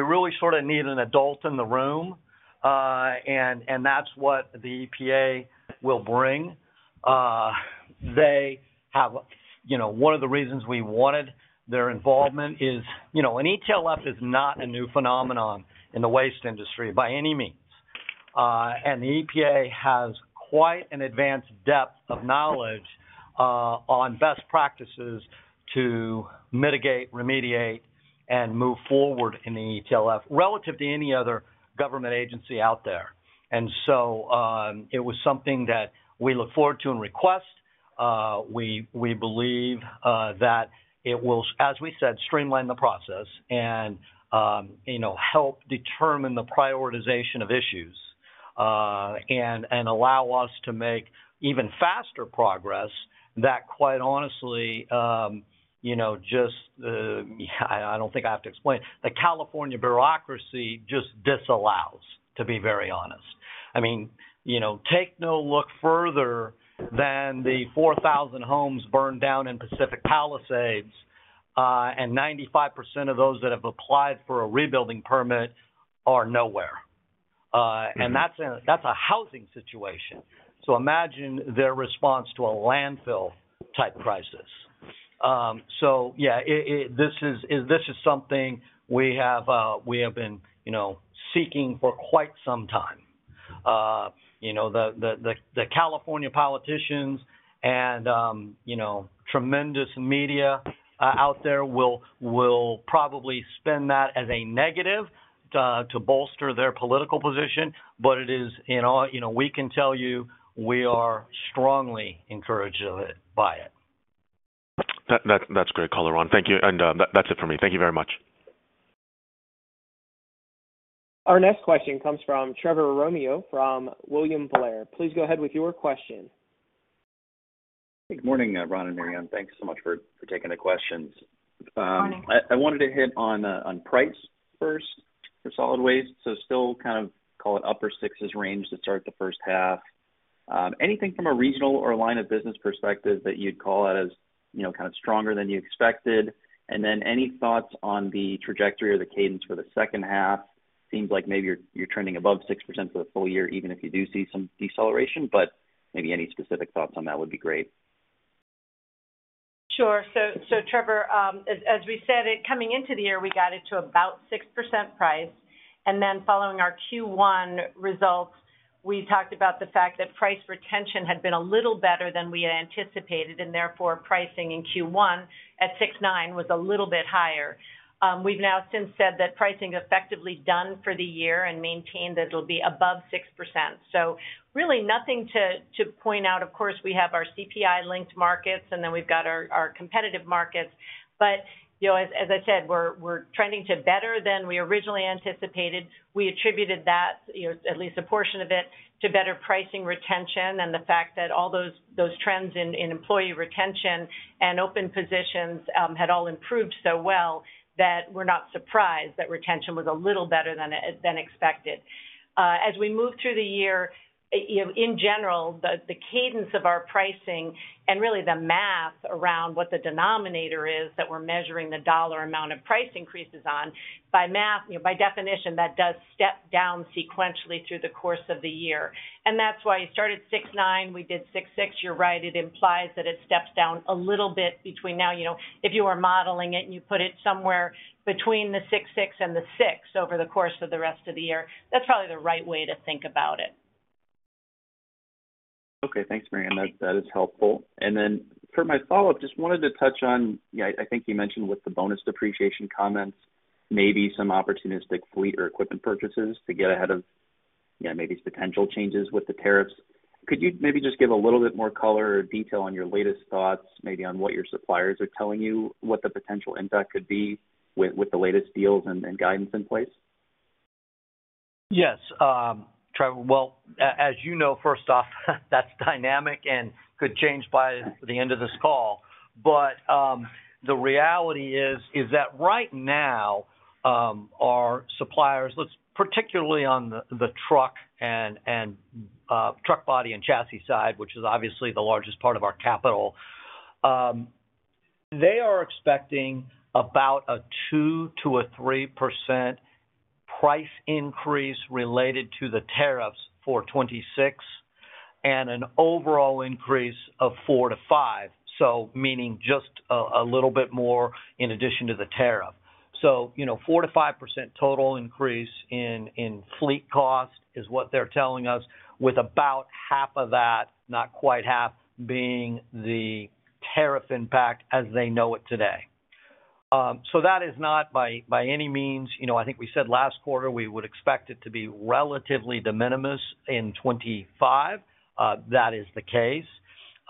really sort of need an adult in the room. That is what the EPA will bring. One of the reasons we wanted their involvement is an ETLF is not a new phenomenon in the waste industry by any means. The EPA has quite an advanced depth of knowledge on best practices to mitigate, remediate, and move forward in the ETLF relative to any other government agency out there. It was something that we look forward to and request. We believe that it will, as we said, streamline the process and help determine the prioritization of issues, and allow us to make even faster progress that, quite honestly, just—I do not think I have to explain, the California bureaucracy just disallows, to be very honest. I mean, take no look further than the 4,000 homes burned down in Pacific Palisades, and 95% of those that have applied for a rebuilding permit are nowhere. That is a housing situation. Imagine their response to a landfill-type crisis. Yeah, this is something we have been seeking for quite some time. The California politicians and tremendous media out there will probably spin that as a negative to bolster their political position, but it is, we can tell you, we are strongly encouraged by it. That's great, Colin. Thank you. And that's it for me. Thank you very much. Our next question comes from Trevor Romeo from William Blair. Please go ahead with your question. Hey, good morning, Ron and Mary Anne. Thanks so much for taking the questions. I wanted to hit on price first for solid waste. Still kind of call it upper sixes range to start the first half. Anything from a regional or line of business perspective that you'd call out as kind of stronger than you expected? Any thoughts on the trajectory or the cadence for the second half? Seems like maybe you're trending above 6% for the full year, even if you do see some deceleration, but maybe any specific thoughts on that would be great. Sure. So Trevor, as we said, coming into the year, we got it to about 6% price. And then following our Q1 results, we talked about the fact that price retention had been a little better than we had anticipated, and therefore pricing in Q1 at 6.9% was a little bit higher. We've now since said that pricing is effectively done for the year and maintained that it'll be above 6%. So really nothing to point out. Of course, we have our CPI-linked markets, and then we've got our competitive markets. But as I said, we're trending to better than we originally anticipated. We attributed that, at least a portion of it, to better pricing retention and the fact that all those trends in employee retention and open positions had all improved so well that we're not surprised that retention was a little better than expected. As we move through the year, in general, the cadence of our pricing and really the math around what the denominator is that we're measuring the dollar amount of price increases on, by math, by definition, that does step down sequentially through the course of the year. And that's why you start at 6.9%. We did 6.6%. You're right. It implies that it steps down a little bit between now. If you are modeling it and you put it somewhere between the 6.6% and the 6% over the course of the rest of the year, that's probably the right way to think about it. Okay. Thanks, Mary Anne. That is helpful. For my follow-up, just wanted to touch on, I think you mentioned with the bonus depreciation comments, maybe some opportunistic fleet or equipment purchases to get ahead of maybe potential changes with the tariffs. Could you maybe just give a little bit more color or detail on your latest thoughts, maybe on what your suppliers are telling you, what the potential impact could be with the latest deals and guidance in place? Yes. As you know, first off, that's dynamic and could change by the end of this call. The reality is that right now our suppliers, particularly on the truck and truck body and chassis side, which is obviously the largest part of our capital, are expecting about a 2-3% price increase related to the tariffs for 2026 and an overall increase of 4-5%, so meaning just a little bit more in addition to the tariff. So 4-5% total increase in fleet cost is what they're telling us, with about half of that, not quite half, being the tariff impact as they know it today. That is not by any means—I think we said last quarter we would expect it to be relatively de minimis in 2025. That is the case.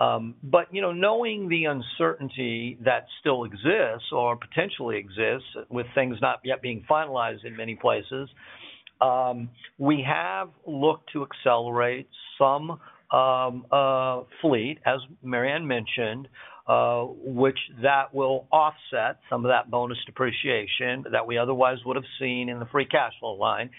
Knowing the uncertainty that still exists or potentially exists with things not yet being finalized in many places, we have looked to accelerate some fleet, as Mary Anne mentioned, which will offset some of that bonus depreciation that we otherwise would have seen in the free cash flow line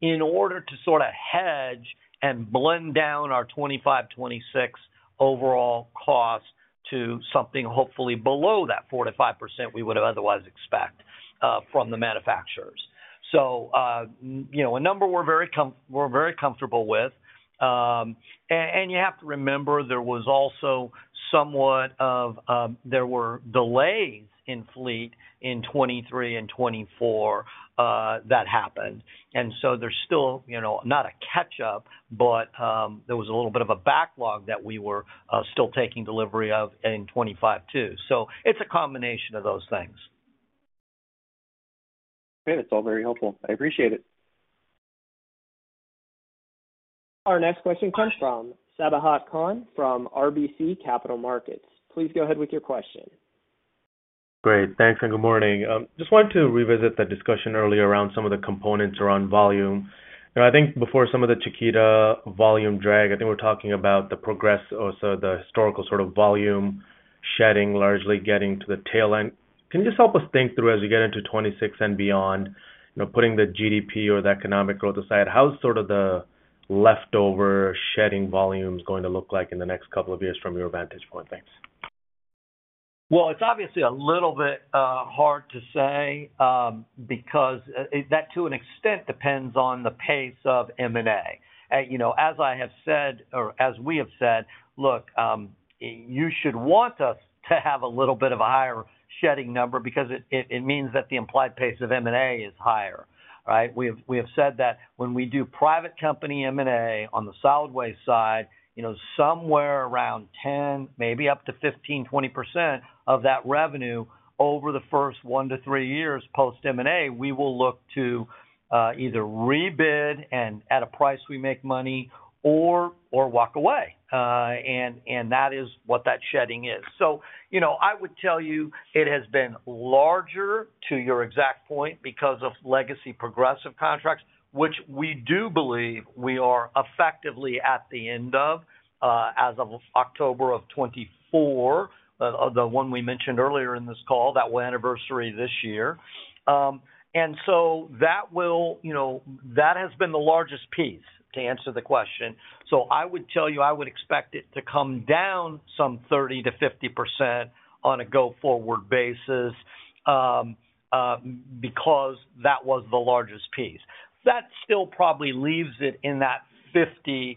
in order to sort of hedge and blend down our 2025, 2026 overall cost to something hopefully below that 4-5% we would have otherwise expected from the manufacturers. A number we're very comfortable with. You have to remember there were also somewhat of—there were delays in fleet in 2023 and 2024 that happened, and so there's still not a catch-up, but there was a little bit of a backlog that we were still taking delivery of in 2025 too. It's a combination of those things. Great. It's all very helpful. I appreciate it. Our next question comes from Sabahat Khan from RBC Capital Markets. Please go ahead with your question. Great. Thanks. Good morning. Just wanted to revisit the discussion earlier around some of the components around volume. I think before some of the Chiquita volume drag, I think we were talking about the progress or the historical sort of volume shedding largely getting to the tail end. Can you just help us think through as we get into 2026 and beyond, putting the GDP or the economic growth aside, how is sort of the leftover shedding volume going to look like in the next couple of years from your vantage point? Thanks. It is obviously a little bit hard to say. Because that to an extent depends on the pace of M&A. As I have said, or as we have said, look. You should want us to have a little bit of a higher shedding number because it means that the implied pace of M&A is higher. We have said that when we do private company M&A on the solid waste side, somewhere around 10, maybe up to 15-20% of that revenue over the first one to three years post-M&A, we will look to either rebid and at a price we make money or walk away. That is what that shedding is. I would tell you it has been larger to your exact point because of legacy Progressive contracts, which we do believe we are effectively at the end of as of October of 2024. The one we mentioned earlier in this call, that anniversary this year. That has been the largest piece to answer the question. I would tell you I would expect it to come down some 30-50% on a go-forward basis because that was the largest piece. That still probably leaves it in that 50-75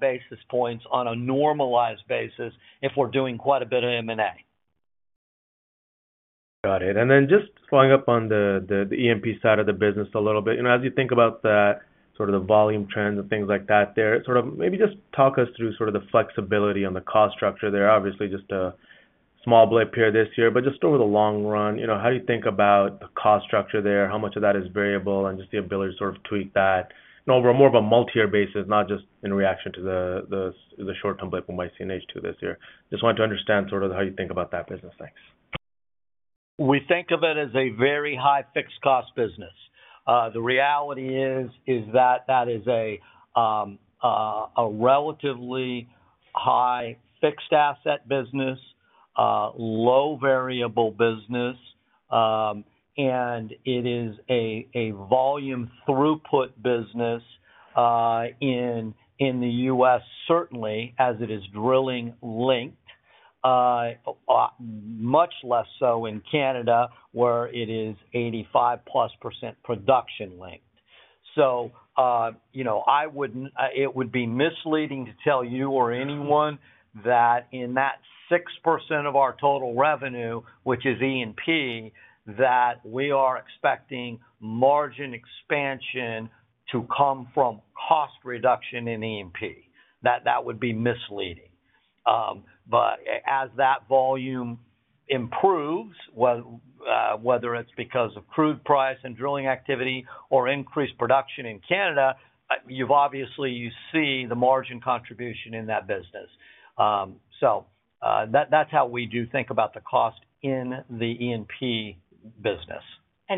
basis points on a normalized basis if we are doing quite a bit of M&A. Got it. And then just following up on the E&P side of the business a little bit, as you think about that, sort of the volume trends and things like that there, sort of maybe just talk us through sort of the flexibility on the cost structure there. Obviously, just a small blip here this year, but just over the long run, how do you think about the cost structure there? How much of that is variable and just the ability to sort of tweak that? And over more of a multi-year basis, not just in reaction to the short-term blip we might see in H2 this year. Just wanted to understand sort of how you think about that business. Thanks. We think of it as a very high fixed cost business. The reality is that that is a relatively high fixed asset business, low variable business, and it is a volume throughput business. In the U.S., certainly, as it is drilling linked, much less so in Canada where it is 85% plus production linked. It would be misleading to tell you or anyone that in that 6% of our total revenue, which is E&P, that we are expecting margin expansion to come from cost reduction in E&P. That would be misleading. As that volume improves, whether it is because of crude price and drilling activity or increased production in Canada, obviously you see the margin contribution in that business. That is how we do think about the cost in the E&P business.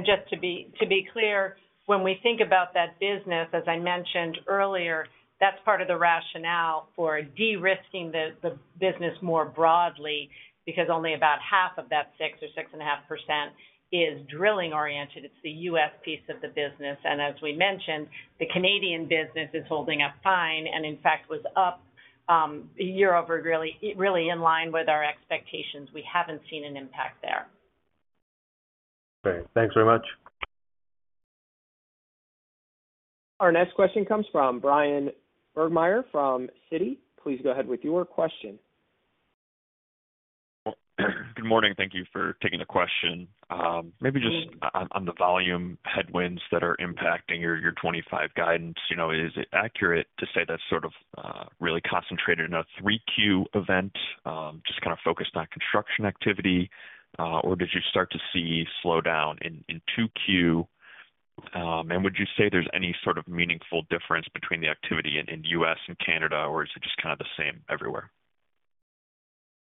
Just to be clear, when we think about that business, as I mentioned earlier, that's part of the rationale for de-risking the business more broadly because only about half of that 6%-6.5% is drilling-oriented. It's the U.S. piece of the business. As we mentioned, the Canadian business is holding up fine and in fact was up year-over-year, really in line with our expectations. We haven't seen an impact there. Great. Thanks very much. Our next question comes from Bryan Burgmeier from Citi. Please go ahead with your question. Good morning. Thank you for taking the question. Maybe just on the volume headwinds that are impacting your 2025 guidance, is it accurate to say that's sort of really concentrated in a 3Q event, just kind of focused on construction activity, or did you start to see slowdown in 2Q? And would you say there's any sort of meaningful difference between the activity in the U.S. and Canada, or is it just kind of the same everywhere?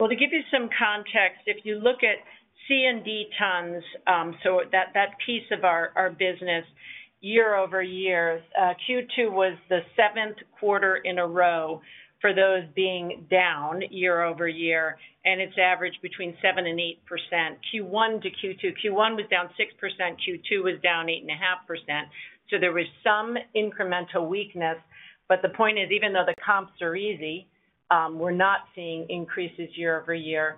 To give you some context, if you look at C&D tons, so that piece of our business. year-over-year, Q2 was the seventh quarter in a row for those being down year-over-year, and it's averaged between 7% and 8%. Q1 to Q2, Q1 was down 6%. Q2 was down 8.5%. There was some incremental weakness. The point is, even though the comps are easy, we're not seeing increases year-over-year.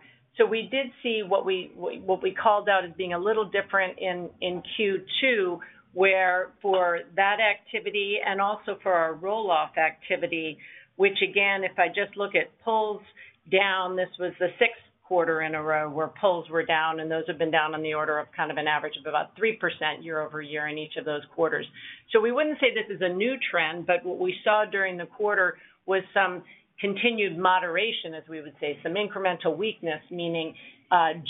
We did see what we called out as being a little different in Q2, where for that activity and also for our roll-off activity, which again, if I just look at pulls down, this was the sixth quarter in a row where pulls were down, and those have been down on the order of kind of an average of about 3% year-over-year in each of those quarters. We wouldn't say this is a new trend, but what we saw during the quarter was some continued moderation, as we would say, some incremental weakness, meaning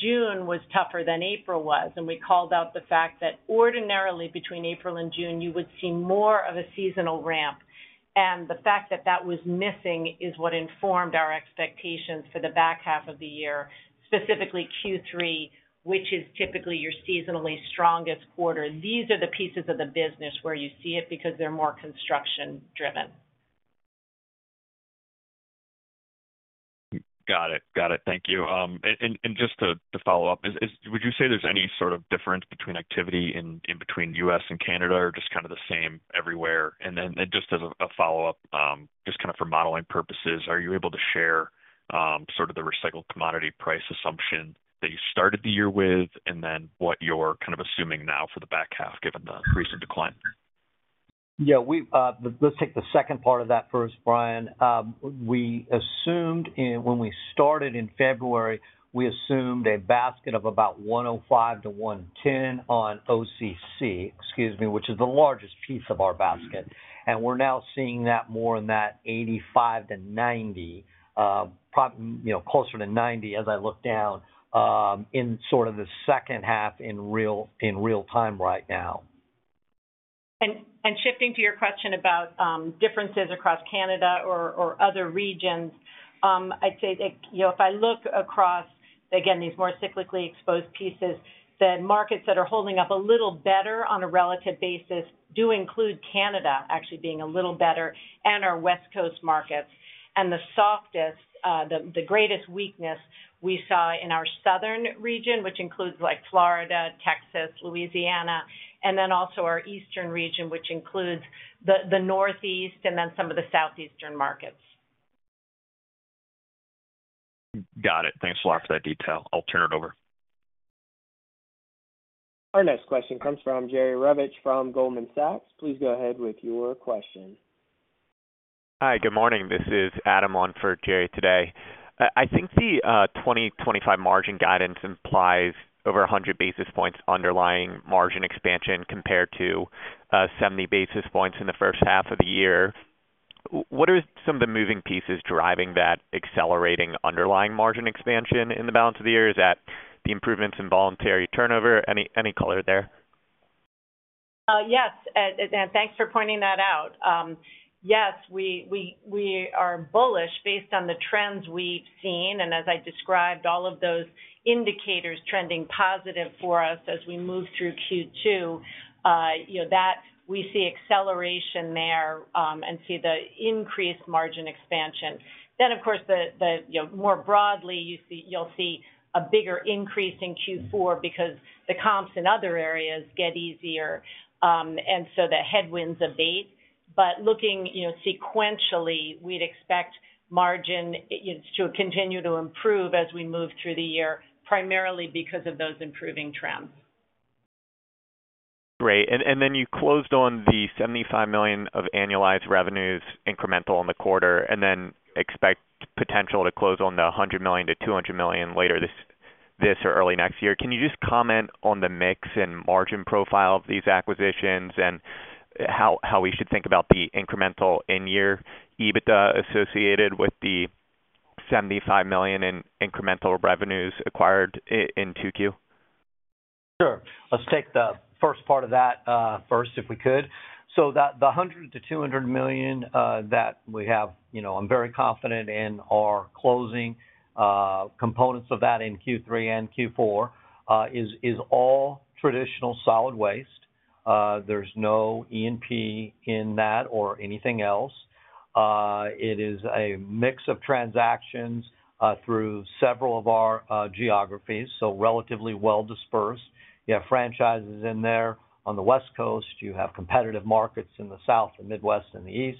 June was tougher than April was. We called out the fact that ordinarily between April and June, you would see more of a seasonal ramp. The fact that that was missing is what informed our expectations for the back half of the year, specifically Q3, which is typically your seasonally strongest quarter. These are the pieces of the business where you see it because they're more construction-driven. Got it. Got it. Thank you. Just to follow up, would you say there's any sort of difference between activity in between U.S. and Canada or just kind of the same everywhere? Just as a follow-up, just kind of for modeling purposes, are you able to share sort of the recycled commodity price assumption that you started the year with and then what you're kind of assuming now for the back half given the recent decline? Yeah. Let's take the second part of that first, Brian. When we started in February, we assumed a basket of about $105-$110 on OCC, excuse me, which is the largest piece of our basket. And we're now seeing that more in that $85-$90. Closer to $90 as I look down. In sort of the second half in real time right now. Shifting to your question about differences across Canada or other regions, I'd say if I look across, again, these more cyclically exposed pieces, the markets that are holding up a little better on a relative basis do include Canada actually being a little better and our West Coast markets. The softest, the greatest weakness we saw in our southern region, which includes Florida, Texas, Louisiana, and then also our eastern region, which includes the northeast and then some of the southeastern markets. Got it. Thanks a lot for that detail. I'll turn it over. Our next question comes from Jerry Revich from Goldman Sachs. Please go ahead with your question. Hi, good morning. This is Adam on for Jerry today. I think the 2025 margin guidance implies over 100 basis points underlying margin expansion compared to 70 basis points in the first half of the year. What are some of the moving pieces driving that accelerating underlying margin expansion in the balance of the year? Is that the improvements in voluntary turnover? Any color there? Yes. Thanks for pointing that out. Yes, we are bullish based on the trends we've seen. As I described, all of those indicators trending positive for us as we move through Q2. We see acceleration there and see the increased margin expansion. Of course, more broadly, you'll see a bigger increase in Q4 because the comps in other areas get easier. The headwinds abate. Looking sequentially, we'd expect margin to continue to improve as we move through the year, primarily because of those improving trends. Great. You closed on the $75 million of annualized revenues incremental on the quarter and expect potential to close on the $100 million-$200 million later this or early next year. Can you just comment on the mix and margin profile of these acquisitions and how we should think about the incremental in-year EBITDA associated with the $75 million in incremental revenues acquired in 2Q? Sure. Let's take the first part of that first if we could. The $100 million-$200 million that we have, I'm very confident in our closing. Components of that in Q3 and Q4 is all traditional solid waste. There's no E&P in that or anything else. It is a mix of transactions through several of our geographies, so relatively well dispersed. You have franchises in there on the West Coast. You have competitive markets in the South, the Midwest, and the East.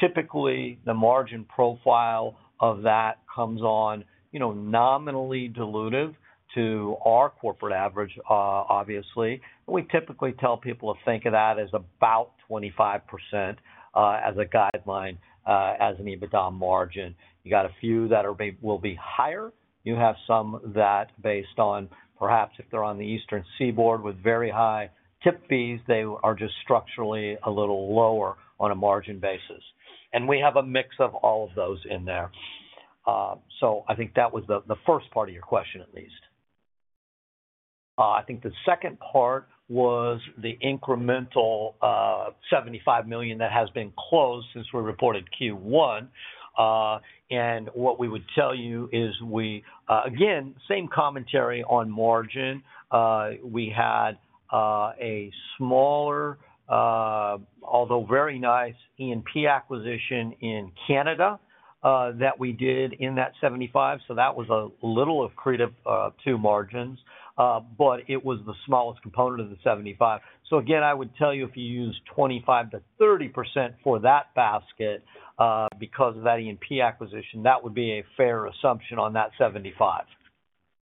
Typically, the margin profile of that comes on nominally dilutive to our corporate average, obviously. We typically tell people to think of that as about 25% as a guideline, as an EBITDA margin. You got a few that will be higher. You have some that, based on perhaps if they're on the Eastern Seaboard with very high tip fees, they are just structurally a little lower on a margin basis. We have a mix of all of those in there. I think that was the first part of your question at least. I think the second part was the incremental $75 million that has been closed since we reported Q1. What we would tell you is, again, same commentary on margin. We had a smaller, although very nice, E&P acquisition in Canada that we did in that $75 million. That was a little accretive to margins, but it was the smallest component of the $75 million. Again, I would tell you if you use 25%-30% for that basket, because of that E&P acquisition, that would be a fair assumption on that $75 million.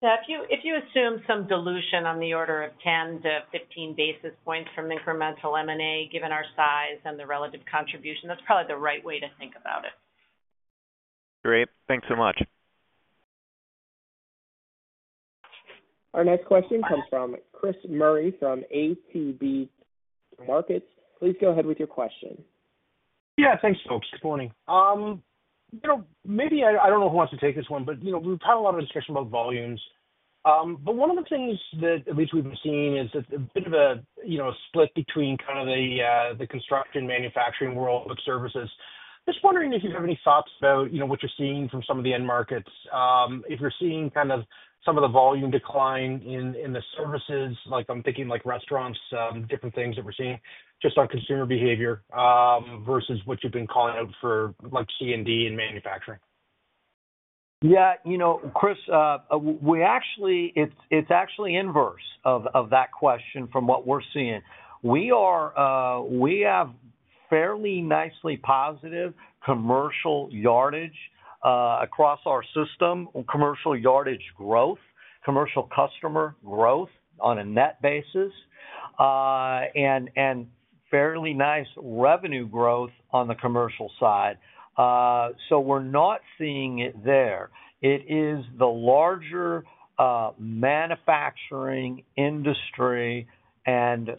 Yeah. If you assume some dilution on the order of 10-15 basis points from incremental M&A, given our size and the relative contribution, that's probably the right way to think about it. Great. Thanks so much. Our next question comes from Chris Murray from ATB Markets. Please go ahead with your question. Yeah. Thanks, folks. Good morning. Maybe I don't know who wants to take this one, but we've had a lot of discussion about volumes. One of the things that at least we've been seeing is a bit of a split between kind of the construction, manufacturing world, services. Just wondering if you have any thoughts about what you're seeing from some of the end markets. If you're seeing kind of some of the volume decline in the services, like I'm thinking like restaurants, different things that we're seeing just on consumer behavior versus what you've been calling out for C&D and manufacturing. Yeah. Chris. It's actually inverse of that question from what we're seeing. We have fairly nicely positive commercial yardage across our system, commercial yardage growth, commercial customer growth on a net basis, and fairly nice revenue growth on the commercial side. We're not seeing it there. It is the larger manufacturing industry and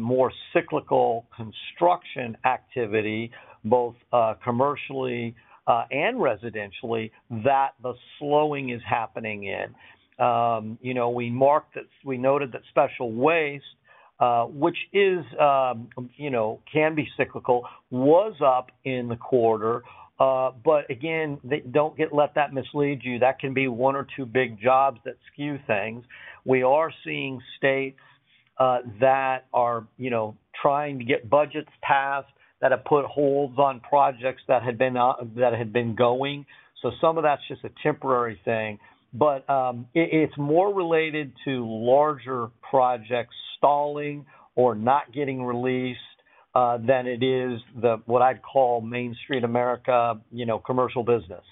more cyclical construction activity, both commercially and residentially, that the slowing is happening in. We noted that special waste, which can be cyclical, was up in the quarter. Again, don't let that mislead you. That can be one or two big jobs that skew things. We are seeing states that are trying to get budgets passed that have put holds on projects that had been going. Some of that's just a temporary thing. It's more related to larger projects stalling or not getting released than it is what I'd call Main Street America commercial business.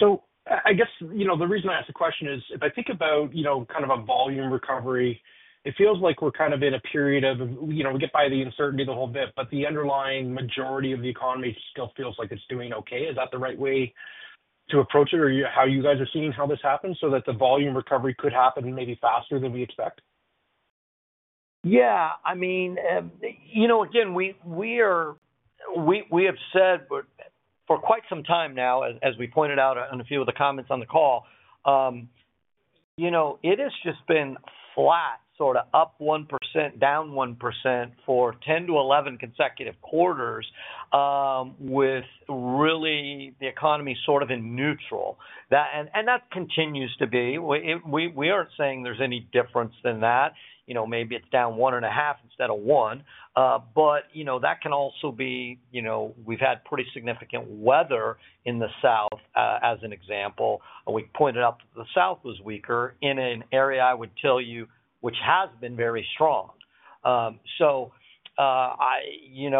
I guess the reason I ask the question is, if I think about kind of a volume recovery, it feels like we're kind of in a period of we get by the uncertainty the whole bit, but the underlying majority of the economy still feels like it's doing okay. Is that the right way to approach it or how you guys are seeing how this happens so that the volume recovery could happen maybe faster than we expect? Yeah. I mean, again, we have said for quite some time now, as we pointed out in a few of the comments on the call. It has just been flat, sort of up 1%, down 1% for 10-11 consecutive quarters. With really the economy sort of in neutral. And that continues to be. We aren't saying there's any difference than that. Maybe it's down one and a half instead of one. But that can also be we've had pretty significant weather in the South, as an example. We pointed out that the South was weaker in an area, I would tell you, which has been very strong. So. We're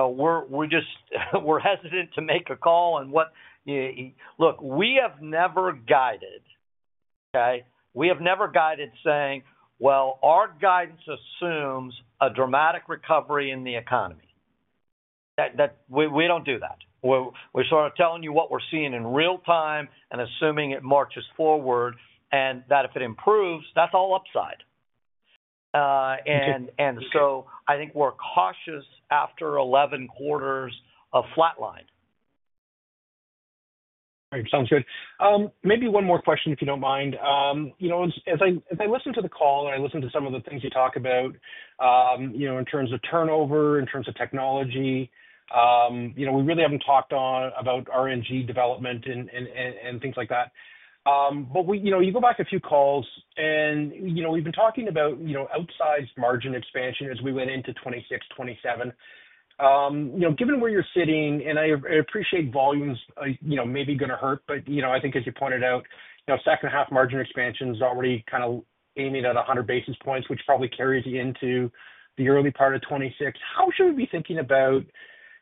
hesitant to make a call on what. Look, we have never guided, okay? We have never guided saying, "Well, our guidance assumes a dramatic recovery in the economy." We don't do that. We're sort of telling you what we're seeing in real time and assuming it marches forward and that if it improves, that's all upside. And so I think we're cautious after 11 quarters of flatline. All right. Sounds good. Maybe one more question, if you do not mind. As I listen to the call and I listen to some of the things you talk about, in terms of turnover, in terms of technology, we really have not talked about R&G development and things like that. You go back a few calls, and we have been talking about outsized margin expansion as we went into 2026, 2027. Given where you are sitting, and I appreciate volumes may be going to hurt, I think, as you pointed out, second-half margin expansion is already kind of aiming at 100 basis points, which probably carries into the early part of 2026. How should we be thinking about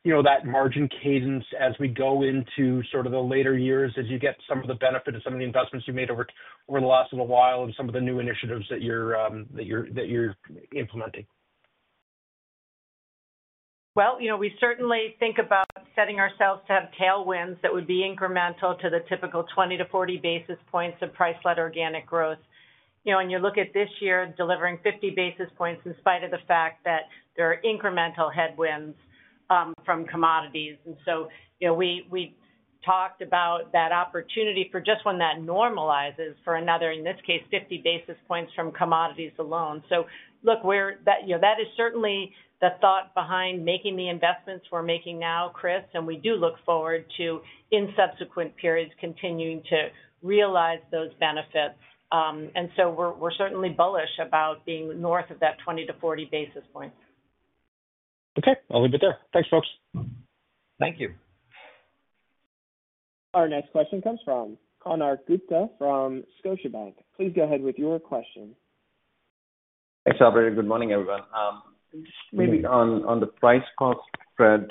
that margin cadence as we go into sort of the later years as you get some of the benefit of some of the investments you made over the last little while and some of the new initiatives that you are implementing? We certainly think about setting ourselves to have tailwinds that would be incremental to the typical 20-40 basis points of price-led organic growth. You look at this year delivering 50 basis points in spite of the fact that there are incremental headwinds from commodities. We talked about that opportunity for just when that normalizes for another, in this case, 50 basis points from commodities alone. Look, that is certainly the thought behind making the investments we're making now, Chris, and we do look forward to, in subsequent periods, continuing to realize those benefits. We're certainly bullish about being north of that 20-40 basis points. Okay. I'll leave it there. Thanks, folks. Thank you. Our next question comes from Konark Gupta from Scotiabank. Please go ahead with your question. Hey, Salaberi. Good morning, everyone. Just maybe on the price cost spread,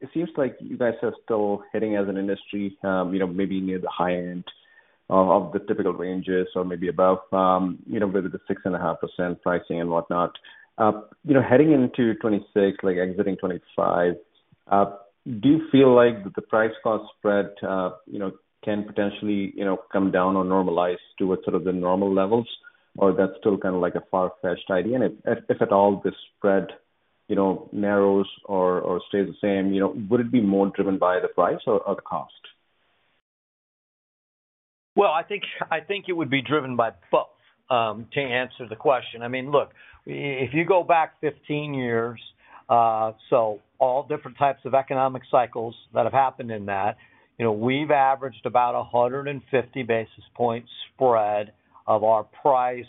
it seems like you guys are still hitting as an industry maybe near the high end of the typical ranges or maybe above, with the 6.5% pricing and whatnot. Heading into 2026, exiting 2025. Do you feel like the price cost spread can potentially come down or normalize to sort of the normal levels, or that's still kind of like a far-fetched idea? If at all, this spread narrows or stays the same, would it be more driven by the price or the cost? I think it would be driven by both to answer the question. I mean, look, if you go back 15 years, so all different types of economic cycles that have happened in that, we've averaged about a 150 basis point spread of our price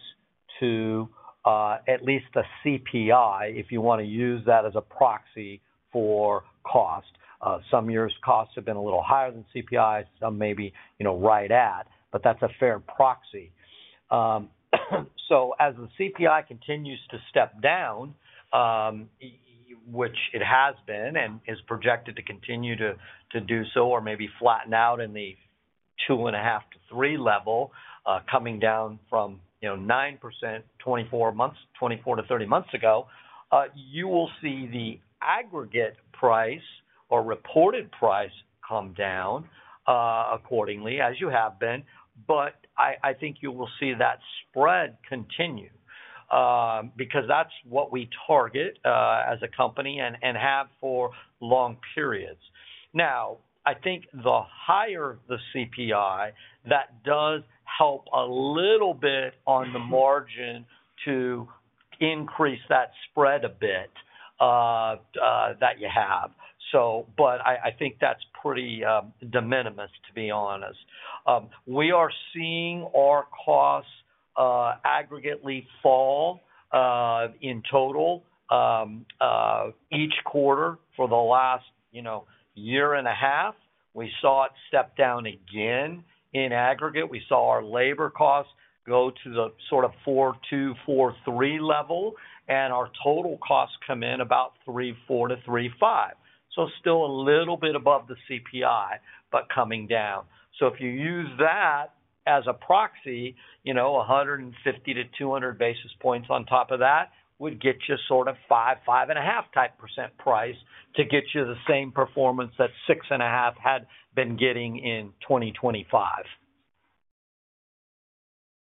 to at least the CPI, if you want to use that as a proxy for cost. Some years costs have been a little higher than CPI, some maybe right at, but that's a fair proxy. As the CPI continues to step down, which it has been and is projected to continue to do so or maybe flatten out in the two and a half to three level, coming down from 9% 24-30 months ago, you will see the aggregate price or reported price come down accordingly, as you have been. I think you will see that spread continue because that's what we target as a company and have for long periods. I think the higher the CPI, that does help a little bit on the margin to increase that spread a bit that you have. I think that's pretty de minimis, to be honest. We are seeing our costs aggregately fall in total each quarter for the last year and a half. We saw it step down again in aggregate. We saw our labor costs go to the sort of 4, 2, 4, 3 level, and our total costs come in about 3, 4-3, 5. Still a little bit above the CPI, but coming down. If you use that as a proxy, 150-200 basis points on top of that would get you sort of 5, 5 and a half type percent price to get you the same performance that 6 and a half had been getting in 2025.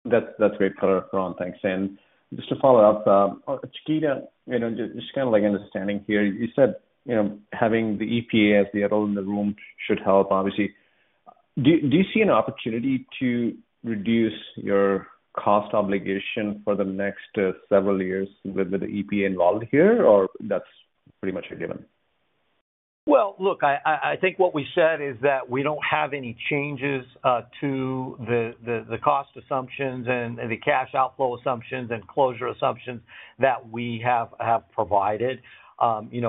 That's great, Connor. Thanks. And just to follow up, Chiquita, just kind of understanding here, you said having the EPA as the adult in the room should help, obviously. Do you see an opportunity to reduce your cost obligation for the next several years with the EPA involved here, or that's pretty much a given? I think what we said is that we do not have any changes to the cost assumptions and the cash outflow assumptions and closure assumptions that we have provided.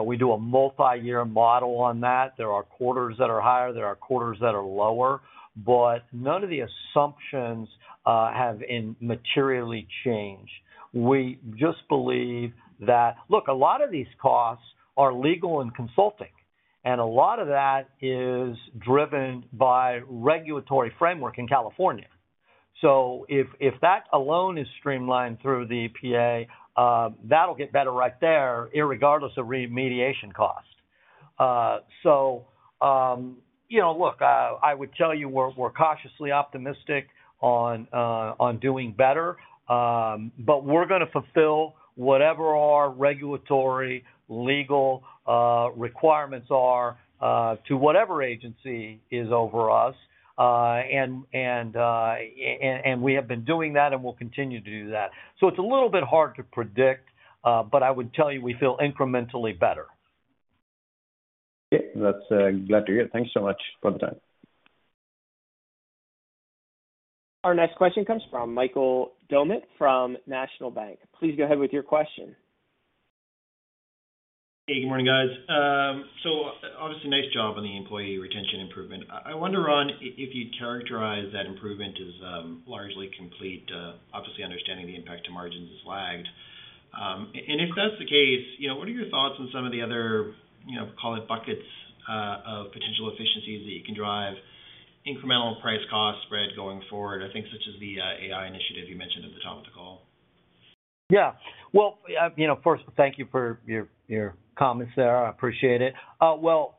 We do a multi-year model on that. There are quarters that are higher. There are quarters that are lower. None of the assumptions have materially changed. We just believe that a lot of these costs are legal and consulting, and a lot of that is driven by regulatory framework in California. If that alone is streamlined through the EPA, that will get better right there, regardless of remediation cost. I would tell you we are cautiously optimistic on doing better. We are going to fulfill whatever our regulatory legal requirements are to whatever agency is over us. We have been doing that and will continue to do that. It is a little bit hard to predict, but I would tell you we feel incrementally better. Okay. That's glad to hear. Thanks so much for the time. Our next question comes from Michael Domet from National Bank. Please go ahead with your question. Hey, good morning, guys. Obviously, nice job on the employee retention improvement. I wonder if you'd characterize that improvement as largely complete, obviously understanding the impact to margins is lagged. If that's the case, what are your thoughts on some of the other, call it, buckets of potential efficiencies that you can drive incremental price cost spread going forward, I think such as the AI initiative you mentioned at the top of the call? Yeah. First, thank you for your comments there. I appreciate it.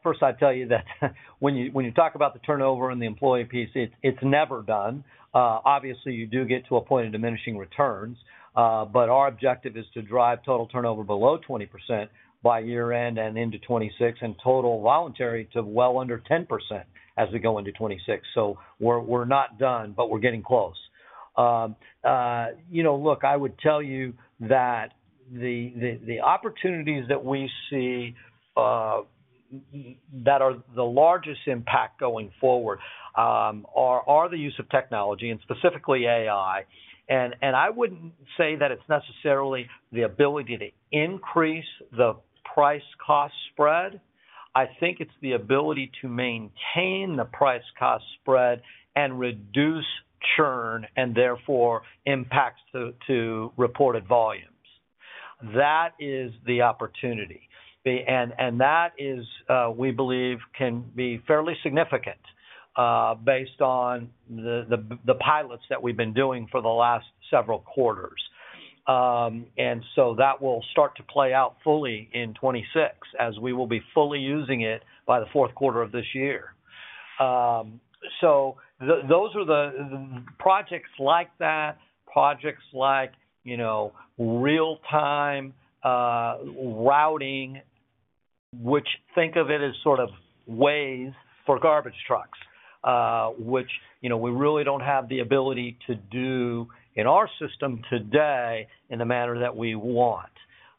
First, I'd tell you that when you talk about the turnover and the employee piece, it's never done. Obviously, you do get to a point of diminishing returns. Our objective is to drive total turnover below 20% by year-end and into 2026 and total voluntary to well under 10% as we go into 2026. We're not done, but we're getting close. Look, I would tell you that the opportunities that we see that are the largest impact going forward are the use of technology and specifically AI. I wouldn't say that it's necessarily the ability to increase the price cost spread. I think it's the ability to maintain the price cost spread and reduce churn and therefore impacts to reported volumes. That is the opportunity. That is, we believe, can be fairly significant based on the pilots that we've been doing for the last several quarters. That will start to play out fully in 2026 as we will be fully using it by the fourth quarter of this year. Those are the projects like that, projects like real-time routing, which, think of it as sort of Waze for garbage trucks, which we really don't have the ability to do in our system today in the manner that we want,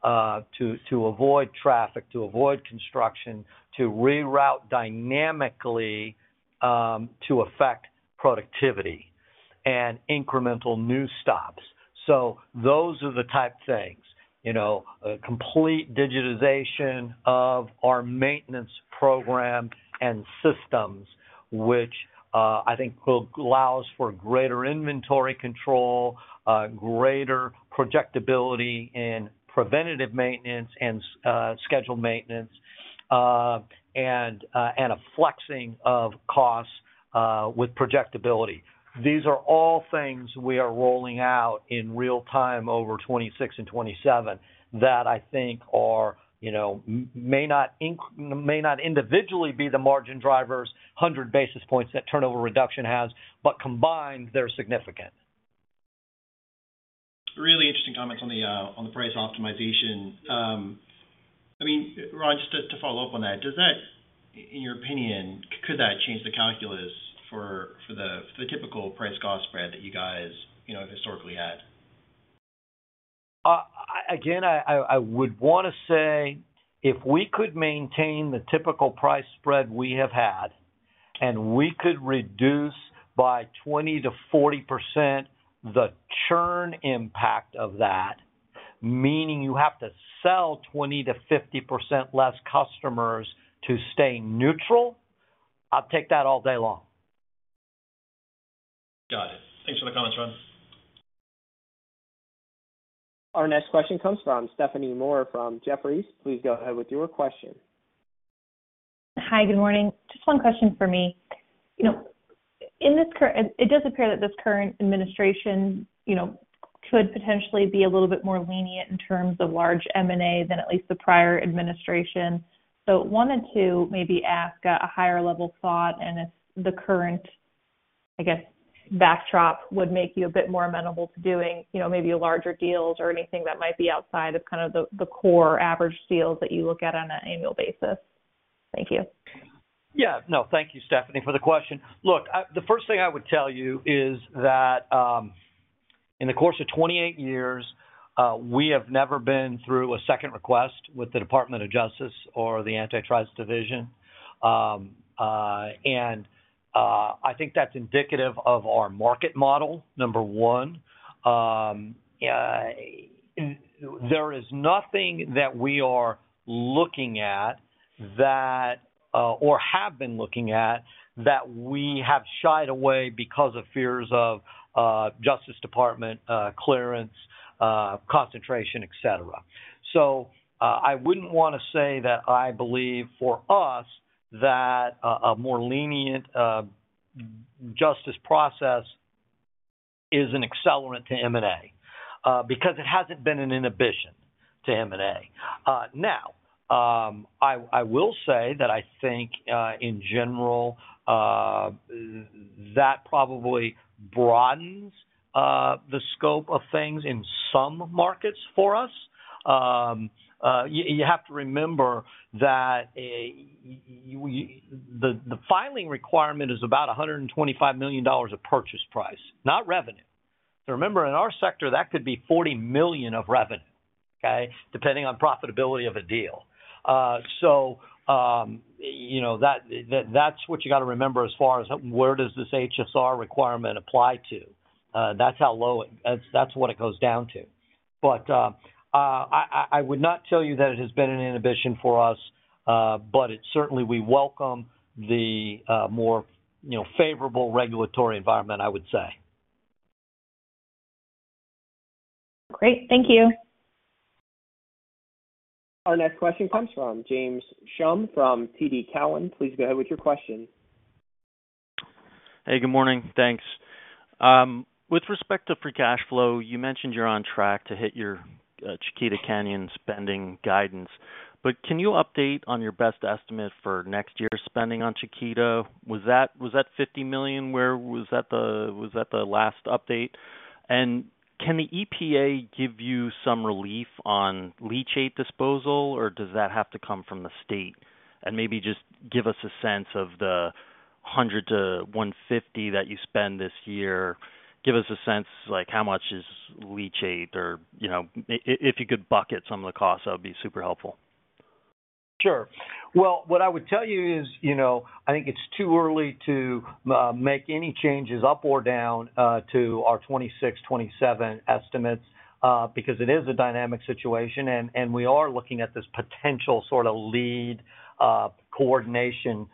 to avoid traffic, to avoid construction, to reroute dynamically, to affect productivity and incremental new stops. Those are the type things. Complete digitization of our maintenance program and systems, which I think will allow us for greater inventory control, greater projectability in preventative maintenance and scheduled maintenance, and a flexing of costs with projectability. These are all things we are rolling out in real time over 2026 and 2027 that I think are, may not individually be the margin drivers, 100 basis points that turnover reduction has, but combined, they're significant. Really interesting comments on the price optimization. I mean, Ron, just to follow up on that, does that, in your opinion, could that change the calculus for the typical price cost spread that you guys have historically had? Again, I would want to say if we could maintain the typical price spread we have had and we could reduce by 20%-40% the churn impact of that. Meaning you have to sell 20%-50% less customers to stay neutral. I'd take that all day long. Got it. Thanks for the comments, Ron. Our next question comes from Stephanie Moore from Jefferies. Please go ahead with your question. Hi, good morning. Just one question for me. It does appear that this current administration could potentially be a little bit more lenient in terms of large M&A than at least the prior administration. I wanted to maybe ask a higher-level thought and if the current, I guess, backdrop would make you a bit more amenable to doing maybe larger deals or anything that might be outside of kind of the core average deals that you look at on an annual basis. Thank you. Yeah. No, thank you, Stephanie, for the question. Look, the first thing I would tell you is that in the course of 28 years, we have never been through a second request with the Department of Justice or the Antitrust Division. I think that's indicative of our market model, number one. There is nothing that we are looking at or have been looking at that we have shied away from because of fears of Justice Department clearance, concentration, etc. I wouldn't want to say that I believe for us that a more lenient Justice process is an accelerant to M&A because it hasn't been an inhibition to M&A. Now, I will say that I think, in general, that probably broadens the scope of things in some markets for us. You have to remember that the filing requirement is about $125 million of purchase price, not revenue. In our sector, that could be $40 million of revenue, okay, depending on profitability of a deal. That's what you got to remember as far as where this HSR requirement applies. That's how low it goes down to. I would not tell you that it has been an inhibition for us. Certainly, we welcome the more favorable regulatory environment, I would say. Great. Thank you. Our next question comes from James Schumm from TD Cowen. Please go ahead with your question. Hey, good morning. Thanks. With respect to free cash flow, you mentioned you're on track to hit your Chiquita Canyon spending guidance. Can you update on your best estimate for next year's spending on Chiquita? Was that $50 million? Where was that the last update? Can the EPA give you some relief on leachate disposal, or does that have to come from the state? Maybe just give us a sense of the $100 million-$150 million that you spend this year. Give us a sense like how much is leachate or, if you could bucket some of the costs, that would be super helpful. Sure. What I would tell you is I think it's too early to make any changes up or down to our 2026, 2027 estimates because it is a dynamic situation and we are looking at this potential sort of lead coordination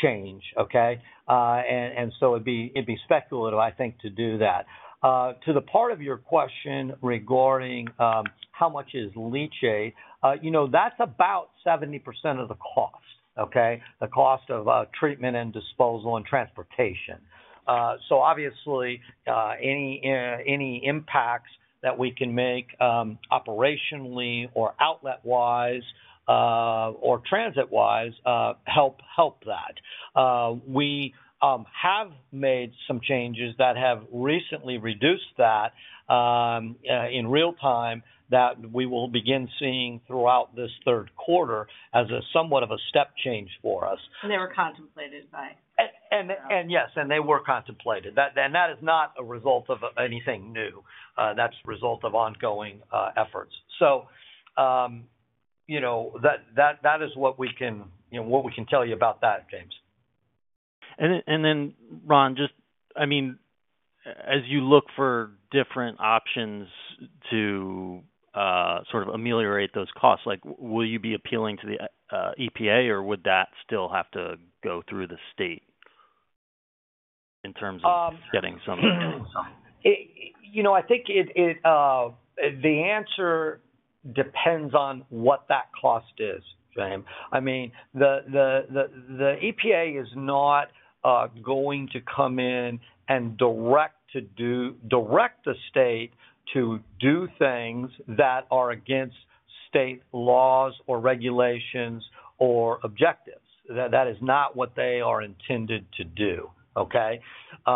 change, okay? It'd be speculative, I think, to do that. To the part of your question regarding how much is leachate, that's about 70% of the cost, the cost of treatment and disposal and transportation. Obviously, any impacts that we can make operationally or outlet-wise or transit-wise help that. We have made some changes that have recently reduced that in real time that we will begin seeing throughout this third quarter as somewhat of a step change for us. They were contemplated by. Yes, and they were contemplated. That is not a result of anything new. That is a result of ongoing efforts. That is what we can tell you about that, James. Ron, just I mean. As you look for different options to sort of ameliorate those costs, will you be appealing to the EPA or would that still have to go through the state? In terms of getting some. I think. The answer depends on what that cost is, James. I mean. The EPA is not going to come in and direct the state to do things that are against state laws or regulations or objectives. That is not what they are intended to do, okay? We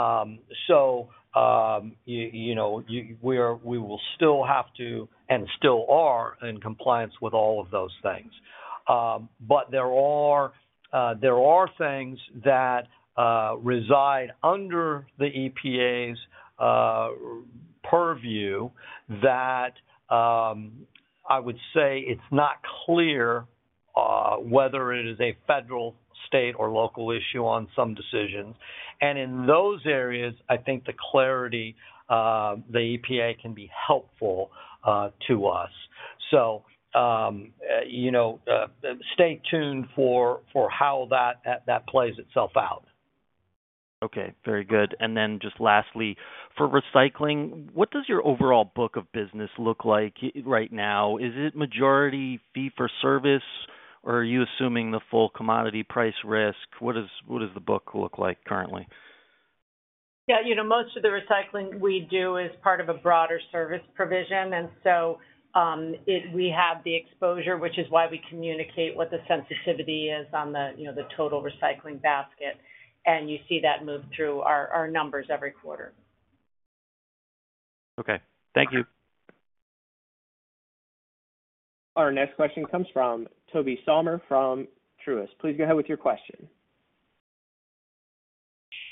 will still have to and still are in compliance with all of those things. There are things that reside under the EPA's purview that I would say it's not clear whether it is a federal, state, or local issue on some decisions. In those areas, I think the clarity the EPA can be helpful to us. Stay tuned for how that plays itself out. Okay. Very good. Lastly, for recycling, what does your overall book of business look like right now? Is it majority fee for service or are you assuming the full commodity price risk? What does the book look like currently? Yeah. Most of the recycling we do is part of a broader service provision. We have the exposure, which is why we communicate what the sensitivity is on the total recycling basket. You see that move through our numbers every quarter. Okay. Thank you. Our next question comes from Toby Sommer from Truist. Please go ahead with your question.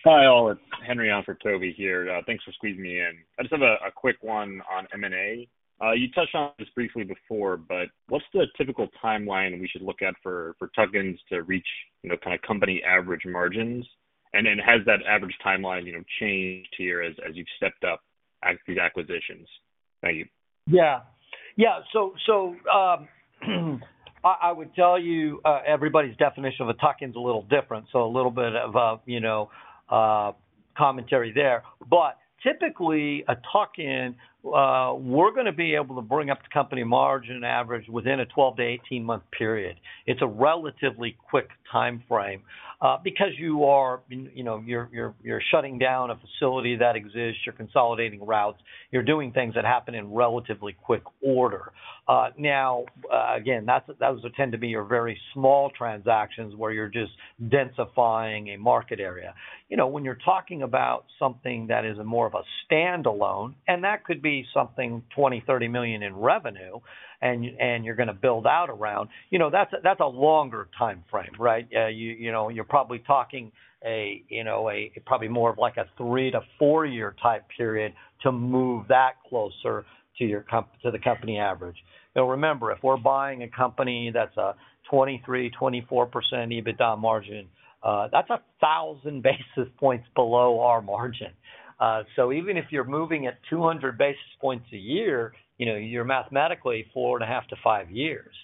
Hi all. It's Henry on for Toby here. Thanks for squeezing me in. I just have a quick one on M&A. You touched on this briefly before, but what's the typical timeline we should look at for tuck-ins to reach kind of company average margins? And then has that average timeline changed here as you've stepped up these acquisitions? Thank you. Yeah. Yeah. I would tell you everybody's definition of a Tuckins is a little different. A little bit of commentary there. Typically, a Tuckin, we're going to be able to bring up the company margin average within a 12- to 18-month period. It's a relatively quick timeframe because you are shutting down a facility that exists, you're consolidating routes, you're doing things that happen in relatively quick order. Again, those tend to be your very small transactions where you're just densifying a market area. When you're talking about something that is more of a standalone, and that could be something $20 million-$30 million in revenue, and you're going to build out around, that's a longer timeframe, right? You're probably talking more of like a three- to four-year type period to move that closer to the company average. Now, remember, if we're buying a company that's a 23%-24% EBITDA margin, that's 1,000 basis points below our margin. Even if you're moving at 200 basis points a year, you're mathematically four and a half to five years.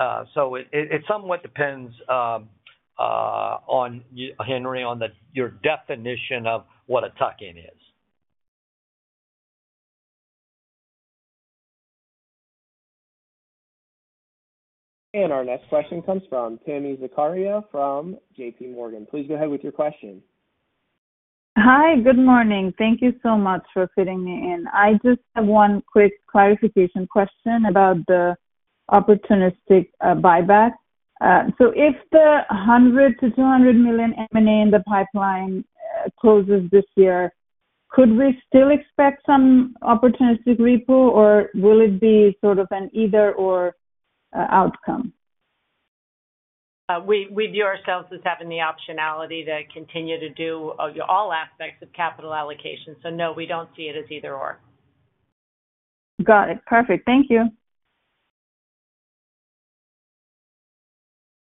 It somewhat depends on, Henry, on your definition of what a Tuckins is. Our next question comes from Tami Zakaria from JPMorgan. Please go ahead with your question. Hi, good morning. Thank you so much for fitting me in. I just have one quick clarification question about the opportunistic buyback. If the $100 million-$200 million M&A in the pipeline closes this year, could we still expect some opportunistic repo, or will it be sort of an either-or outcome? We view ourselves as having the optionality to continue to do all aspects of capital allocation. So no, we do not see it as either-or. Got it. Perfect. Thank you.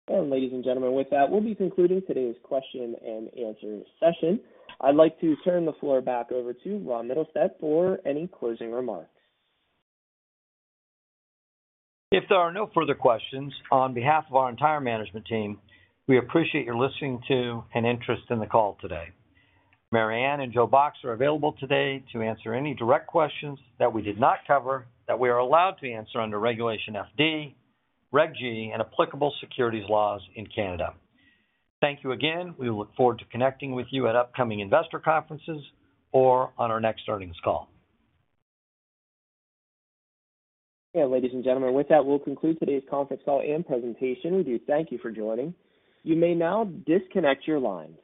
Ladies and gentlemen, with that, we'll be concluding today's question and answer session. I'd like to turn the floor back over to Ronald Mittelstaedt for any closing remarks. If there are no further questions, on behalf of our entire management team, we appreciate your listening to and interest in the call today. Mary Anne and Joe Box are available today to answer any direct questions that we did not cover that we are allowed to answer under Regulation FD, Reg G, and applicable securities laws in Canada. Thank you again. We look forward to connecting with you at upcoming investor conferences or on our next earnings call. Ladies and gentlemen, with that, we'll conclude today's conference call and presentation. We do thank you for joining. You may now disconnect your lines.